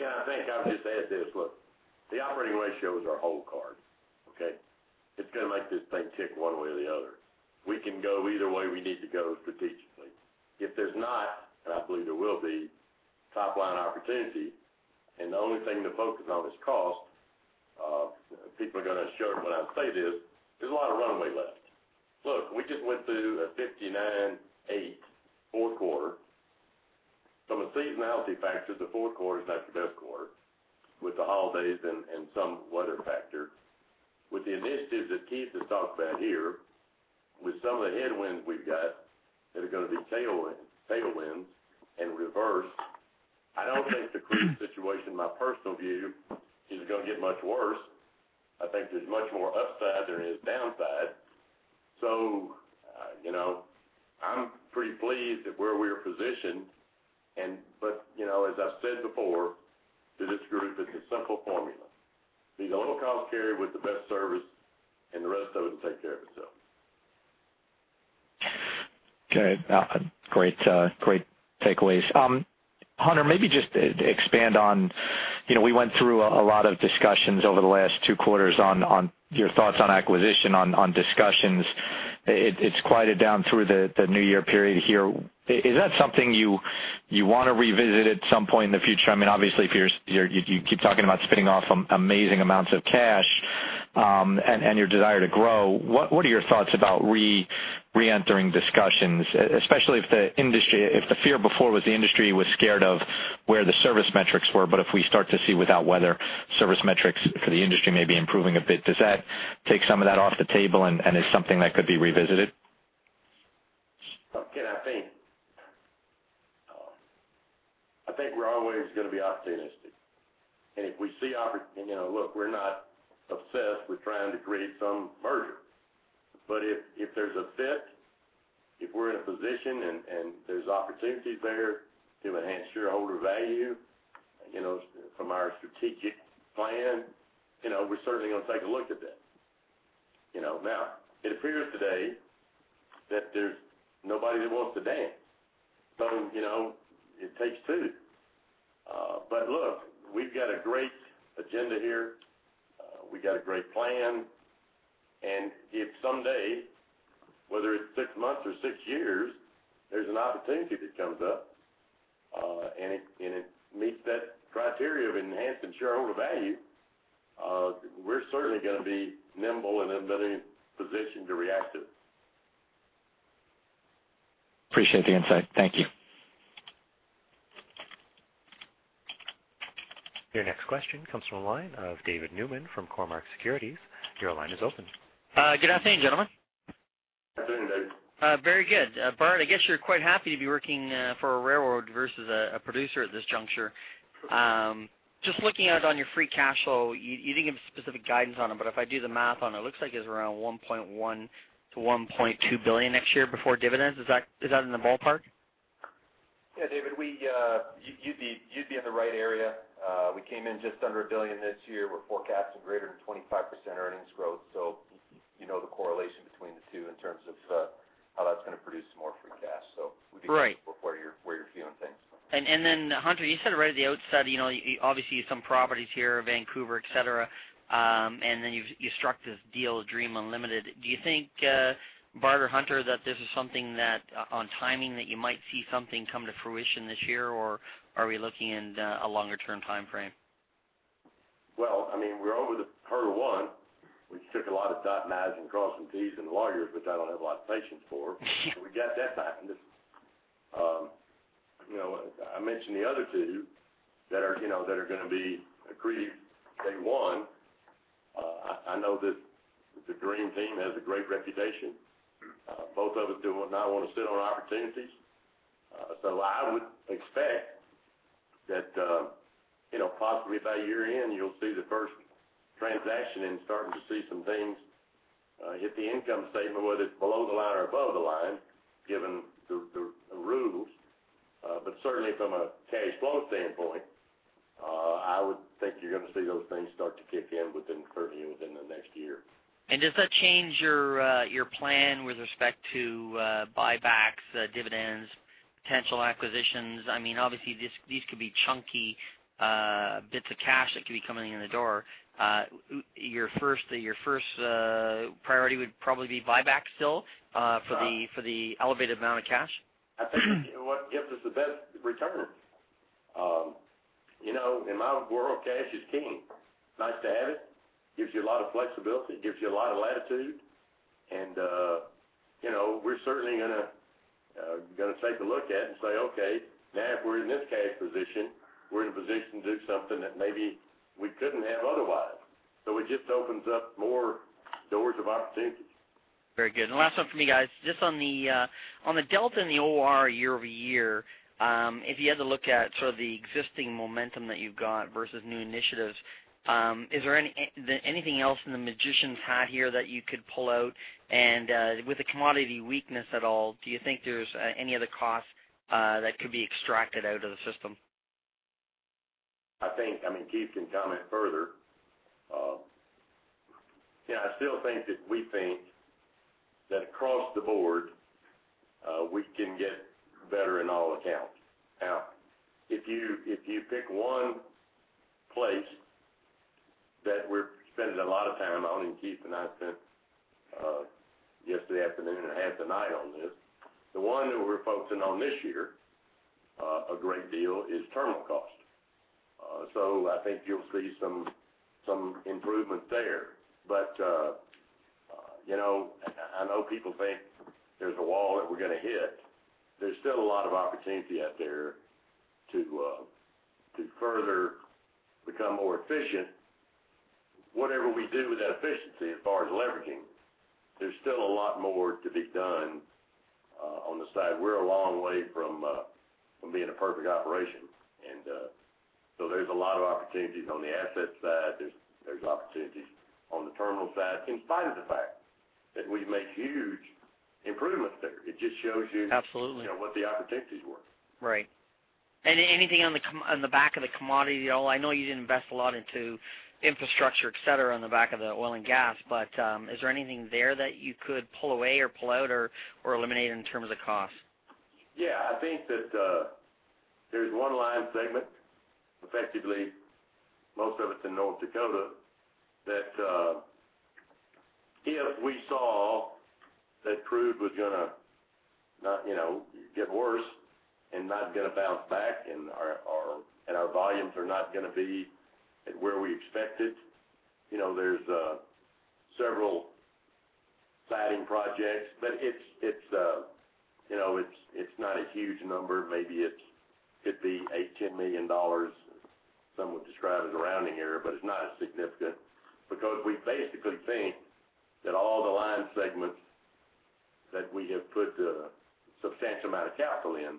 Yeah. I think I would just add this. Look, the operating ratios are a hold card, okay? It's going to make this thing tick one way or the other. We can go either way we need to go strategically. If there's not, and I believe there will be, top-line opportunity and the only thing to focus on is cost, people are going to squirm when I say this, there's a lot of runway left. Look, we just went through a 59.8 fourth quarter. From a seasonality factor, the fourth quarter is not your best quarter with the holidays and some weather factor. With the initiatives that Keith has talked about here, with some of the headwinds we've got that are going to be tailwinds and reverse, I don't think the crude situation, my personal view, is going to get much worse. I think there's much more upside than there is downside. So I'm pretty pleased at where we are positioned. But as I've said before to this group, it's a simple formula. Be the low-cost carrier with the best service, and the rest of it will take care of itself. Okay. Great takeaways. Hunter, maybe just to expand on we went through a lot of discussions over the last two quarters on your thoughts on acquisition, on discussions. It's quieted down through the new year period here. Is that something you want to revisit at some point in the future? I mean, obviously, you keep talking about spitting off amazing amounts of cash and your desire to grow. What are your thoughts about re-entering discussions, especially if the fear before was the industry was scared of where the service metrics were. But if we start to see without weather, service metrics for the industry may be improving a bit, does that take some of that off the table, and is something that could be revisited? What can I think? I think we're always going to be opportunistic. And if we see opportunity look, we're not obsessed with trying to create some merger. But if there's a fit, if we're in a position and there's opportunities there to enhance shareholder value from our strategic plan, we're certainly going to take a look at that. Now, it appears today that there's nobody that wants to dance. So it takes two. But look, we've got a great agenda here. We've got a great plan. And if someday, whether it's six months or six years, there's an opportunity that comes up and it meets that criteria of enhancing shareholder value, we're certainly going to be nimble and in a position to react to it. Appreciate the insight. Thank you. Your next question comes from a line of David Newman from Cormark Securities. Your line is open. Good afternoon, gentlemen. Good afternoon, David. Very good. Bart, I guess you're quite happy to be working for a railroad versus a producer at this juncture. Just looking out on your free cash flow, you didn't give specific guidance on it. But if I do the math on it, it looks like it's around $1.1 billion-$1.2 billion next year before dividends. Is that in the ballpark? Yeah, David. You'd be in the right area. We came in just under $1 billion this year. We're forecasting greater than 25% earnings growth. So you know the correlation between the two in terms of how that's going to produce more free cash. So we'd be comfortable with where you're viewing things. And then, Hunter, you said right at the outset, obviously, some properties here, Vancouver, etc. And then you struck this deal, Dream Unlimited. Do you think, Bart or Hunter, that this is something that on timing that you might see something come to fruition this year, or are we looking in a longer-term timeframe? Well, I mean, we're over the hurdle one, which took a lot of dotting the i's and crossing the t's and lawyers, which I don't have a lot of patience for. We got that time. I mentioned the other two that are going to be agreed day one. I know that the Dream Team has a great reputation. Both of us do not want to sit on opportunities. So I would expect that possibly by year-end, you'll see the first transaction and starting to see some things hit the income statement, whether it's below the line or above the line given the rules. But certainly, from a cash flow standpoint, I would think you're going to see those things start to kick in certainly within the next year. Does that change your plan with respect to buybacks, dividends, potential acquisitions? I mean, obviously, these could be chunky bits of cash that could be coming in the door. Your first priority would probably be buyback still for the elevated amount of cash? I think what gives us the best return. In my world, cash is king. Nice to have it. Gives you a lot of flexibility. Gives you a lot of latitude. And we're certainly going to take a look at it and say, "Okay. Now, if we're in this cash position, we're in a position to do something that maybe we couldn't have otherwise." So it just opens up more doors of opportunities. Very good. And last one for me, guys. Just on the delta in the OR year-over-year, if you had to look at sort of the existing momentum that you've got versus new initiatives, is there anything else in the magician's hat here that you could pull out? And with the commodity weakness at all, do you think there's any other costs that could be extracted out of the system? I mean, Keith can comment further. I still think that we think that across the Board, we can get better in all accounts. Now, if you pick one place that we're spending a lot of time on, and Keith and I spent yesterday afternoon and half the night on this, the one that we're focusing on this year a great deal is terminal cost. So I think you'll see some improvement there. But I know people think there's a wall that we're going to hit. There's still a lot of opportunity out there to further become more efficient. Whatever we do with that efficiency as far as leveraging, there's still a lot more to be done on the side. We're a long way from being a perfect operation. And so there's a lot of opportunities on the asset side. There's opportunities on the terminal side in spite of the fact that we've made huge improvements there. It just shows you what the opportunities were. Absolutely. Right. And anything on the back of the commodity at all? I know you didn't invest a lot into infrastructure, etc., on the back of the oil and gas. But is there anything there that you could pull away or pull out or eliminate in terms of cost? Yeah. I think that there's one line segment, effectively, most of it's in North Dakota, that if we saw that crude was going to get worse and not going to bounce back and our volumes are not going to be at where we expected, there's several siding projects. But it's not a huge number. Maybe it could be $8 million-$10 million, some would describe as a rounding error. But it's not as significant because we basically think that all the line segments that we have put a substantial amount of capital in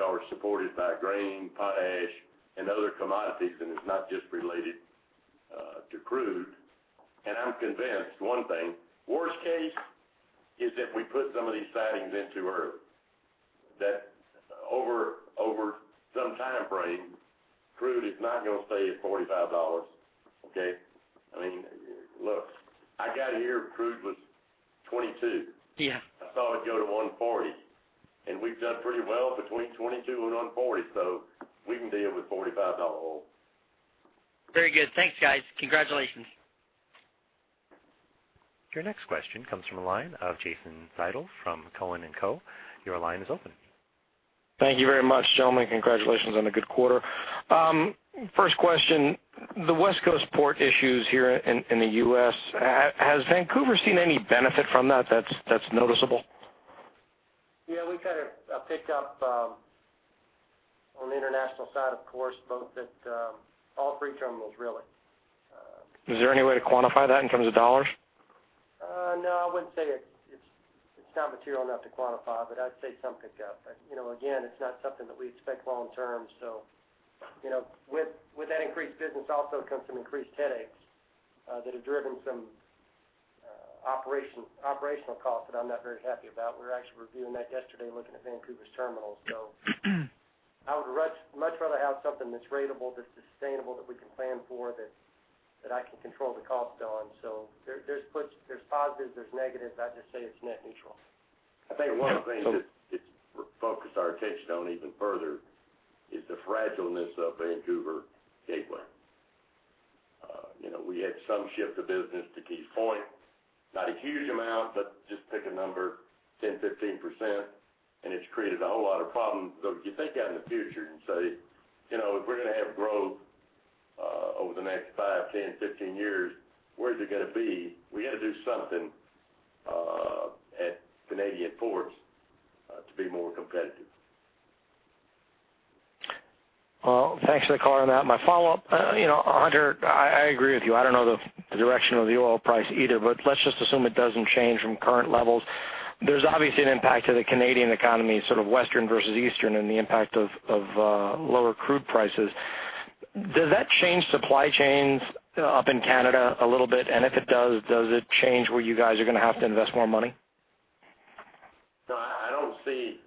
are supported by grain, potash, and other commodities. And it's not just related to crude. And I'm convinced, one thing, worst case is that we put some of these sidings in too early, that over some timeframe, crude is not going to stay at $45, okay? I mean, look, I got here crude was $22. I saw it go to 140. We've done pretty well between 22 and 140. We can deal with $45 hold. Very good. Thanks, guys. Congratulations. Your next question comes from a line of Jason Seidl from Cowen and Company. Your line is open. Thank you very much, gentlemen. Congratulations on a good quarter. First question, the West Coast port issues here in the U.S., has Vancouver seen any benefit from that that's noticeable? Yeah. We've had a pickup on the international side, of course, both at all three terminals, really. Is there any way to quantify that in terms of dollars? No. I wouldn't say it's not material enough to quantify. But I'd say some pickup. Again, it's not something that we expect long-term. So with that increased business also comes some increased headaches that have driven some operational costs that I'm not very happy about. We were actually reviewing that yesterday, looking at Vancouver's terminal. So I would much rather have something that's rateable, that's sustainable, that we can plan for, that I can control the costs on. So there's positives. There's negatives. I'd just say it's net neutral. I think one of the things that it's focused our attention on even further is the fragileness of Vancouver Gateway. We had some shift of business to Keith's point, not a huge amount, but just pick a number, 10%-15%. It's created a whole lot of problems. You think out in the future and say, "If we're going to have growth over the next five, 10, 15 years, where's it going to be?" We got to do something at Canadian ports to be more competitive. Well, thanks for the call on that. My follow-up, Hunter, I agree with you. I don't know the direction of the oil price either. But let's just assume it doesn't change from current levels. There's obviously an impact to the Canadian economy, sort of Western versus Eastern, and the impact of lower crude prices. Does that change supply chains up in Canada a little bit? And if it does, does it change where you guys are going to have to invest more money? No. I don't see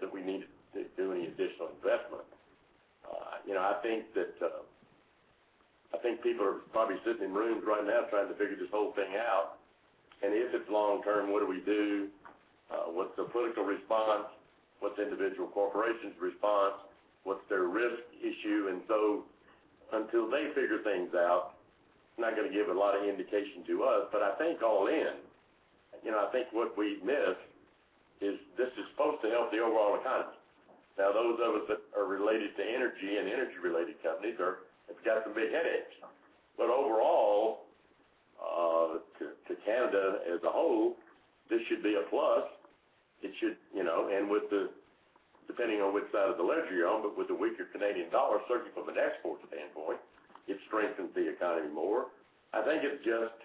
that we need to do any additional investment. I think people are probably sitting in rooms right now trying to figure this whole thing out. And if it's long-term, what do we do? What's the political response? What's individual corporations' response? What's their risk issue? And so until they figure things out, it's not going to give a lot of indication to us. But I think all in, I think what we miss is this is supposed to help the overall economy. Now, those of us that are related to energy and energy-related companies have got some big headaches. But overall, to Canada as a whole, this should be a plus. And depending on which side of the ledger you're on, but with the weaker Canadian dollar, certainly from an export standpoint, it strengthens the economy more. I think it's just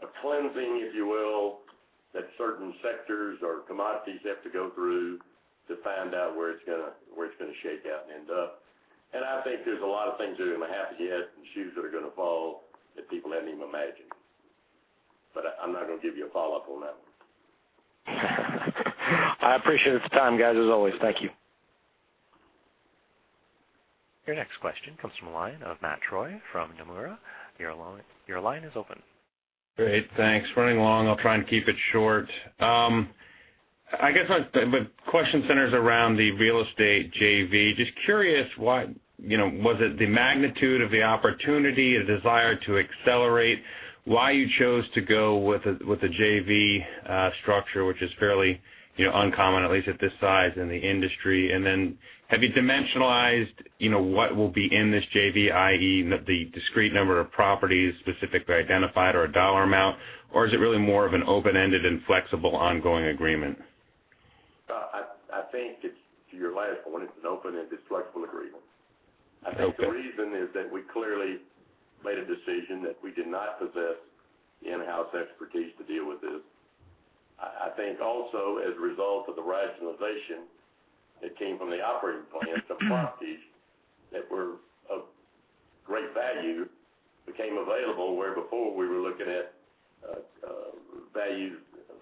a cleansing, if you will, that certain sectors or commodities have to go through to find out where it's going to shake out and end up. And I think there's a lot of things that are going to have to happen, and the other shoe's going to fall that people hadn't even imagined. But I'm not going to give you a follow-up on that one. I appreciate the time, guys, as always. Thank you. Your next question comes from a line of Matt Troy from Nomura. Your line is open. Great. Thanks. Running long. I'll try and keep it short. I guess the question centers around the real estate JV. Just curious, was it the magnitude of the opportunity, the desire to accelerate, why you chose to go with a JV structure, which is fairly uncommon, at least at this size, in the industry? And then have you dimensionalized what will be in this JV, i.e., the discrete number of properties specifically identified or a dollar amount? Or is it really more of an open-ended and flexible ongoing agreement? I think it's to your last point. It's an open-ended, flexible agreement. I think the reason is that we clearly made a decision that we did not possess in-house expertise to deal with this. I think also, as a result of the rationalization that came from the operating plan, some properties that were of great value became available where before we were looking at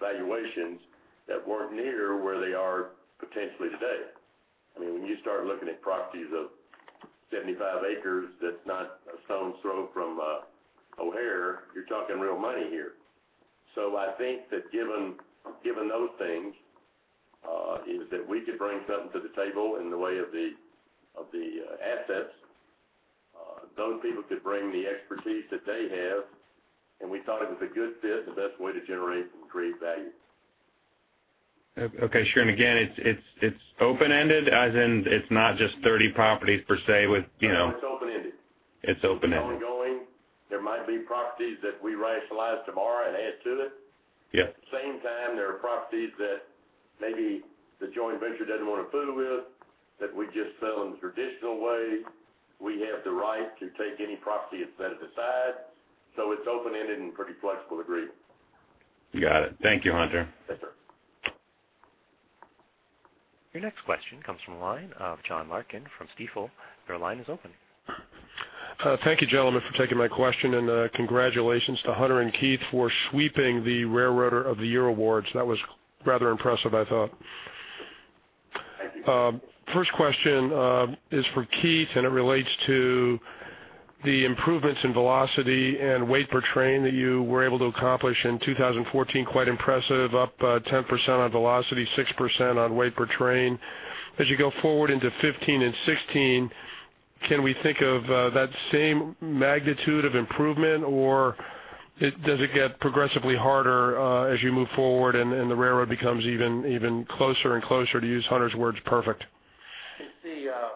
valuations that weren't near where they are potentially today. I mean, when you start looking at properties of 75 acres, that's not a stone's throw from O'Hare. You're talking real money here. So I think that given those things, is that we could bring something to the table in the way of the assets. Those people could bring the expertise that they have. We thought it was a good fit, the best way to generate and create value. Okay. Sure. Again, it's open-ended as in it's not just 30 properties per se with. No. It's open-ended. It's open-ended. It's ongoing. There might be properties that we rationalize tomorrow and add to it. At the same time, there are properties that maybe the joint venture doesn't want to fiddle with that we just sell in the traditional way. We have the right to take any property that's set aside. So it's open-ended and pretty flexible agreement. Got it. Thank you, Hunter. Yes, sir. Your next question comes from a line of John Larkin from Stifel. Your line is open. Thank you, gentlemen, for taking my question. Congratulations to Hunter and Keith for sweeping the Railroader of the Year awards. That was rather impressive, I thought. Thank you. First question is for Keith. It relates to the improvements in velocity and weight per train that you were able to accomplish in 2014. Quite impressive, up 10% on velocity, 6% on weight per train. As you go forward into 2015 and 2016, can we think of that same magnitude of improvement? Or does it get progressively harder as you move forward and the railroad becomes even closer and closer, to use Hunter's words, perfect? Well, we're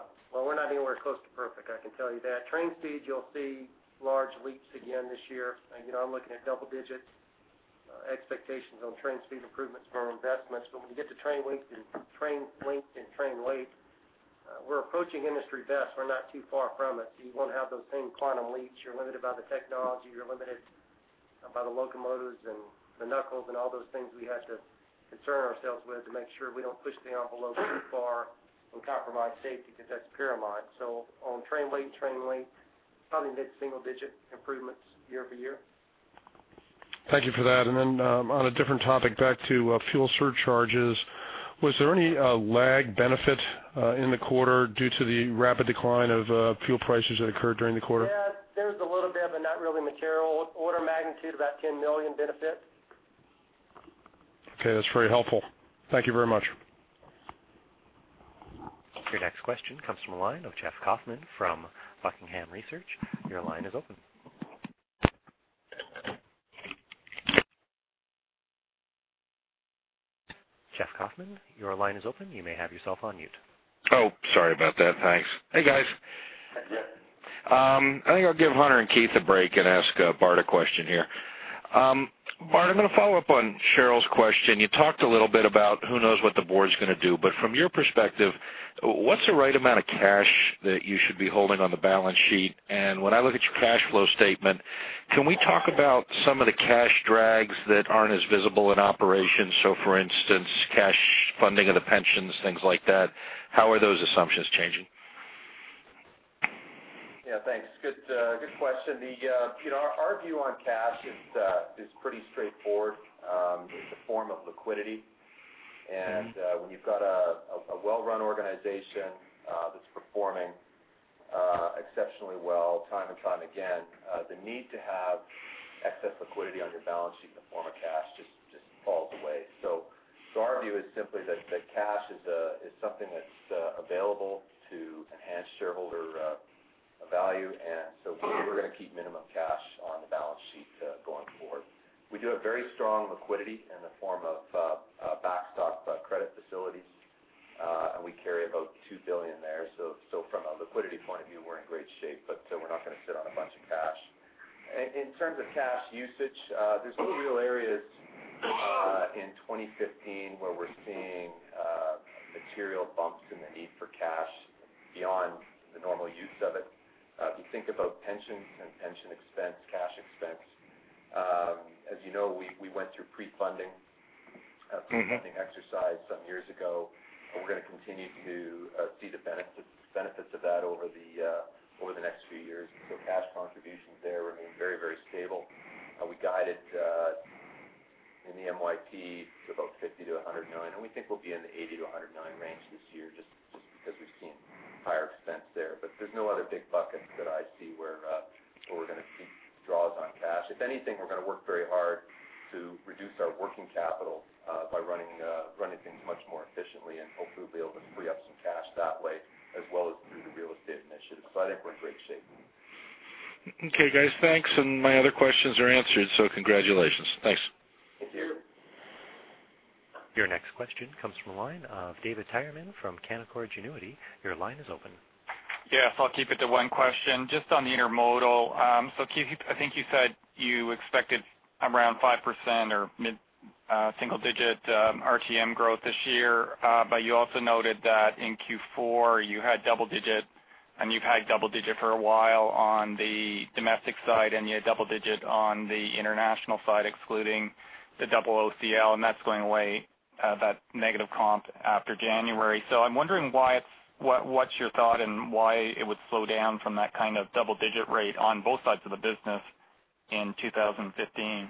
not anywhere close to perfect. I can tell you that. Train speed, you'll see large leaps again this year. I'm looking at double-digit expectations on train speed improvements from investments. But when you get to train length and train weight, we're approaching industry best. We're not too far from it. So you won't have those same quantum leaps. You're limited by the technology. You're limited by the locomotives and the knuckles and all those things we had to concern ourselves with to make sure we don't push the envelope too far and compromise safety because that's paramount. So on train weight and train length, probably mid-single-digit improvements year-over-year. Thank you for that. On a different topic, back to fuel surcharges, was there any lag benefit in the quarter due to the rapid decline of fuel prices that occurred during the quarter? Yeah. There was a little bit, but not really material. Order of magnitude, about $10 million benefit. Okay. That's very helpful. Thank you very much. Your next question comes from a line of Jeff Kauffman from Buckingham Research. Your line is open. Jeff Kauffman, your line is open. You may have yourself on mute. Oh. Sorry about that. Thanks. Hey, guys. I think I'll give Hunter and Keith a break and ask Bart a question here. Bart, I'm going to follow up on Cheryl's question. You talked a little bit about who knows what the Board's going to do. But from your perspective, what's the right amount of cash that you should be holding on the balance sheet? And when I look at your cash flow statement, can we talk about some of the cash drags that aren't as visible in operations? So, for instance, cash funding of the pensions, things like that. How are those assumptions changing? Yeah. Thanks. Good question. Our view on cash is pretty straightforward. It's a form of liquidity. And when you've got a well-run organization that's performing exceptionally well time and time again, the need to have excess liquidity on your balance sheet in the form of cash just falls away. So our view is simply that cash is something that's available to enhance shareholder value. And so we're going to keep minimum cash on the balance sheet going forward. We do have very strong liquidity in the form of backstop credit facilities. And we carry about two billion there. So from a liquidity point of view, we're in great shape. But we're not going to sit on a bunch of cash. In terms of cash usage, there's two real areas in 2015 where we're seeing material bumps in the need for cash beyond the normal use of it. If you think about pensions and pension expense, cash expense, as you know, we went through pre-funding exercise some years ago. We're going to continue to see the benefits of that over the next few years. Cash contributions there remain very, very stable. We guided in the MYP to about 50-100. We think we'll be in the 80-100 range this year just because we've seen higher expense there. There's no other big buckets that I see where we're going to see draws on cash. If anything, we're going to work very hard to reduce our working capital by running things much more efficiently and hopefully be able to free up some cash that way as well as through the real estate initiative. I think we're in great shape. Okay, guys. Thanks. My other questions are answered. Congratulations. Thanks. Thank you. Your next question comes from a line of David Tyerman from Canaccord Genuity. Your line is open. Yeah. So I'll keep it to one question just on the intermodal. So I think you said you expected around 5% or mid-single-digit RTM growth this year. But you also noted that in Q4, you had double-digit and you've had double-digit for a while on the domestic side. And you had double-digit on the international side excluding the double OOCL. And that's going away, that negative comp, after January. So I'm wondering what's your thought and why it would slow down from that kind of double-digit rate on both sides of the business in 2015?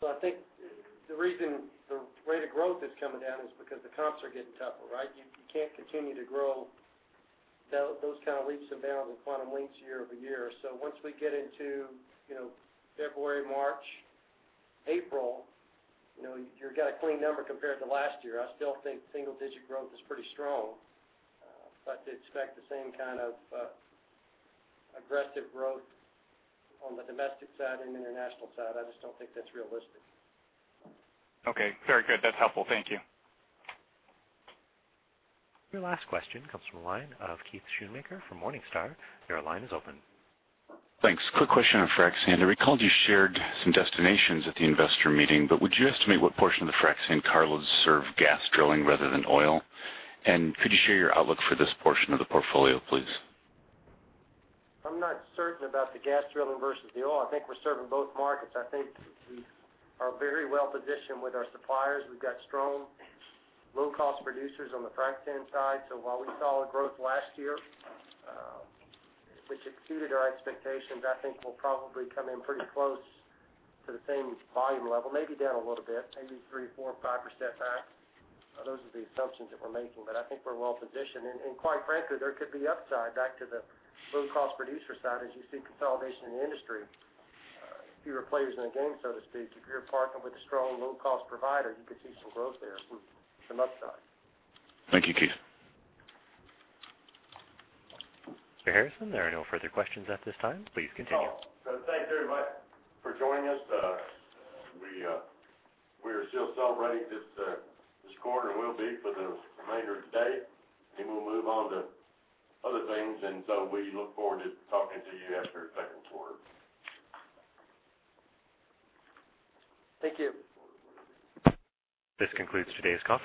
So I think the rate of growth that's coming down is because the comps are getting tougher, right? You can't continue to grow those kind of leaps and bounds and quantum lengths year-over-year. So once we get into February, March, April, you've got a clean number compared to last year. I still think single-digit growth is pretty strong. But to expect the same kind of aggressive growth on the domestic side and international side, I just don't think that's realistic. Okay. Very good. That's helpful. Thank you. Your last question comes from a line of Keith Schoonmaker from Morningstar. Your line is open. Thanks. Quick question on frac sand. I recalled you shared some destinations at the investor meeting. But would you estimate what portion of the frac sand carloads serve gas drilling rather than oil? And could you share your outlook for this portion of the portfolio, please? I'm not certain about the gas drilling versus the oil. I think we're serving both markets. I think we are very well-positioned with our suppliers. We've got strong, low-cost producers on the frac sand side. So while we saw a growth last year which exceeded our expectations, I think we'll probably come in pretty close to the same volume level, maybe down a little bit, maybe 3%-5% back. Those are the assumptions that we're making. But I think we're well-positioned. And quite frankly, there could be upside back to the low-cost producer side as you see consolidation in the industry. Fewer players in the game, so to speak. If you're partnered with a strong, low-cost provider, you could see some growth there, some upside. Thank you, Keith. Mr. Harrison, there are no further questions at this time. Please continue. Well, so thanks very much for joining us. We are still celebrating this quarter. We'll be for the remainder of the day. Then we'll move on to other things. So we look forward to talking to you after the second quarter. Thank you. This concludes today's call.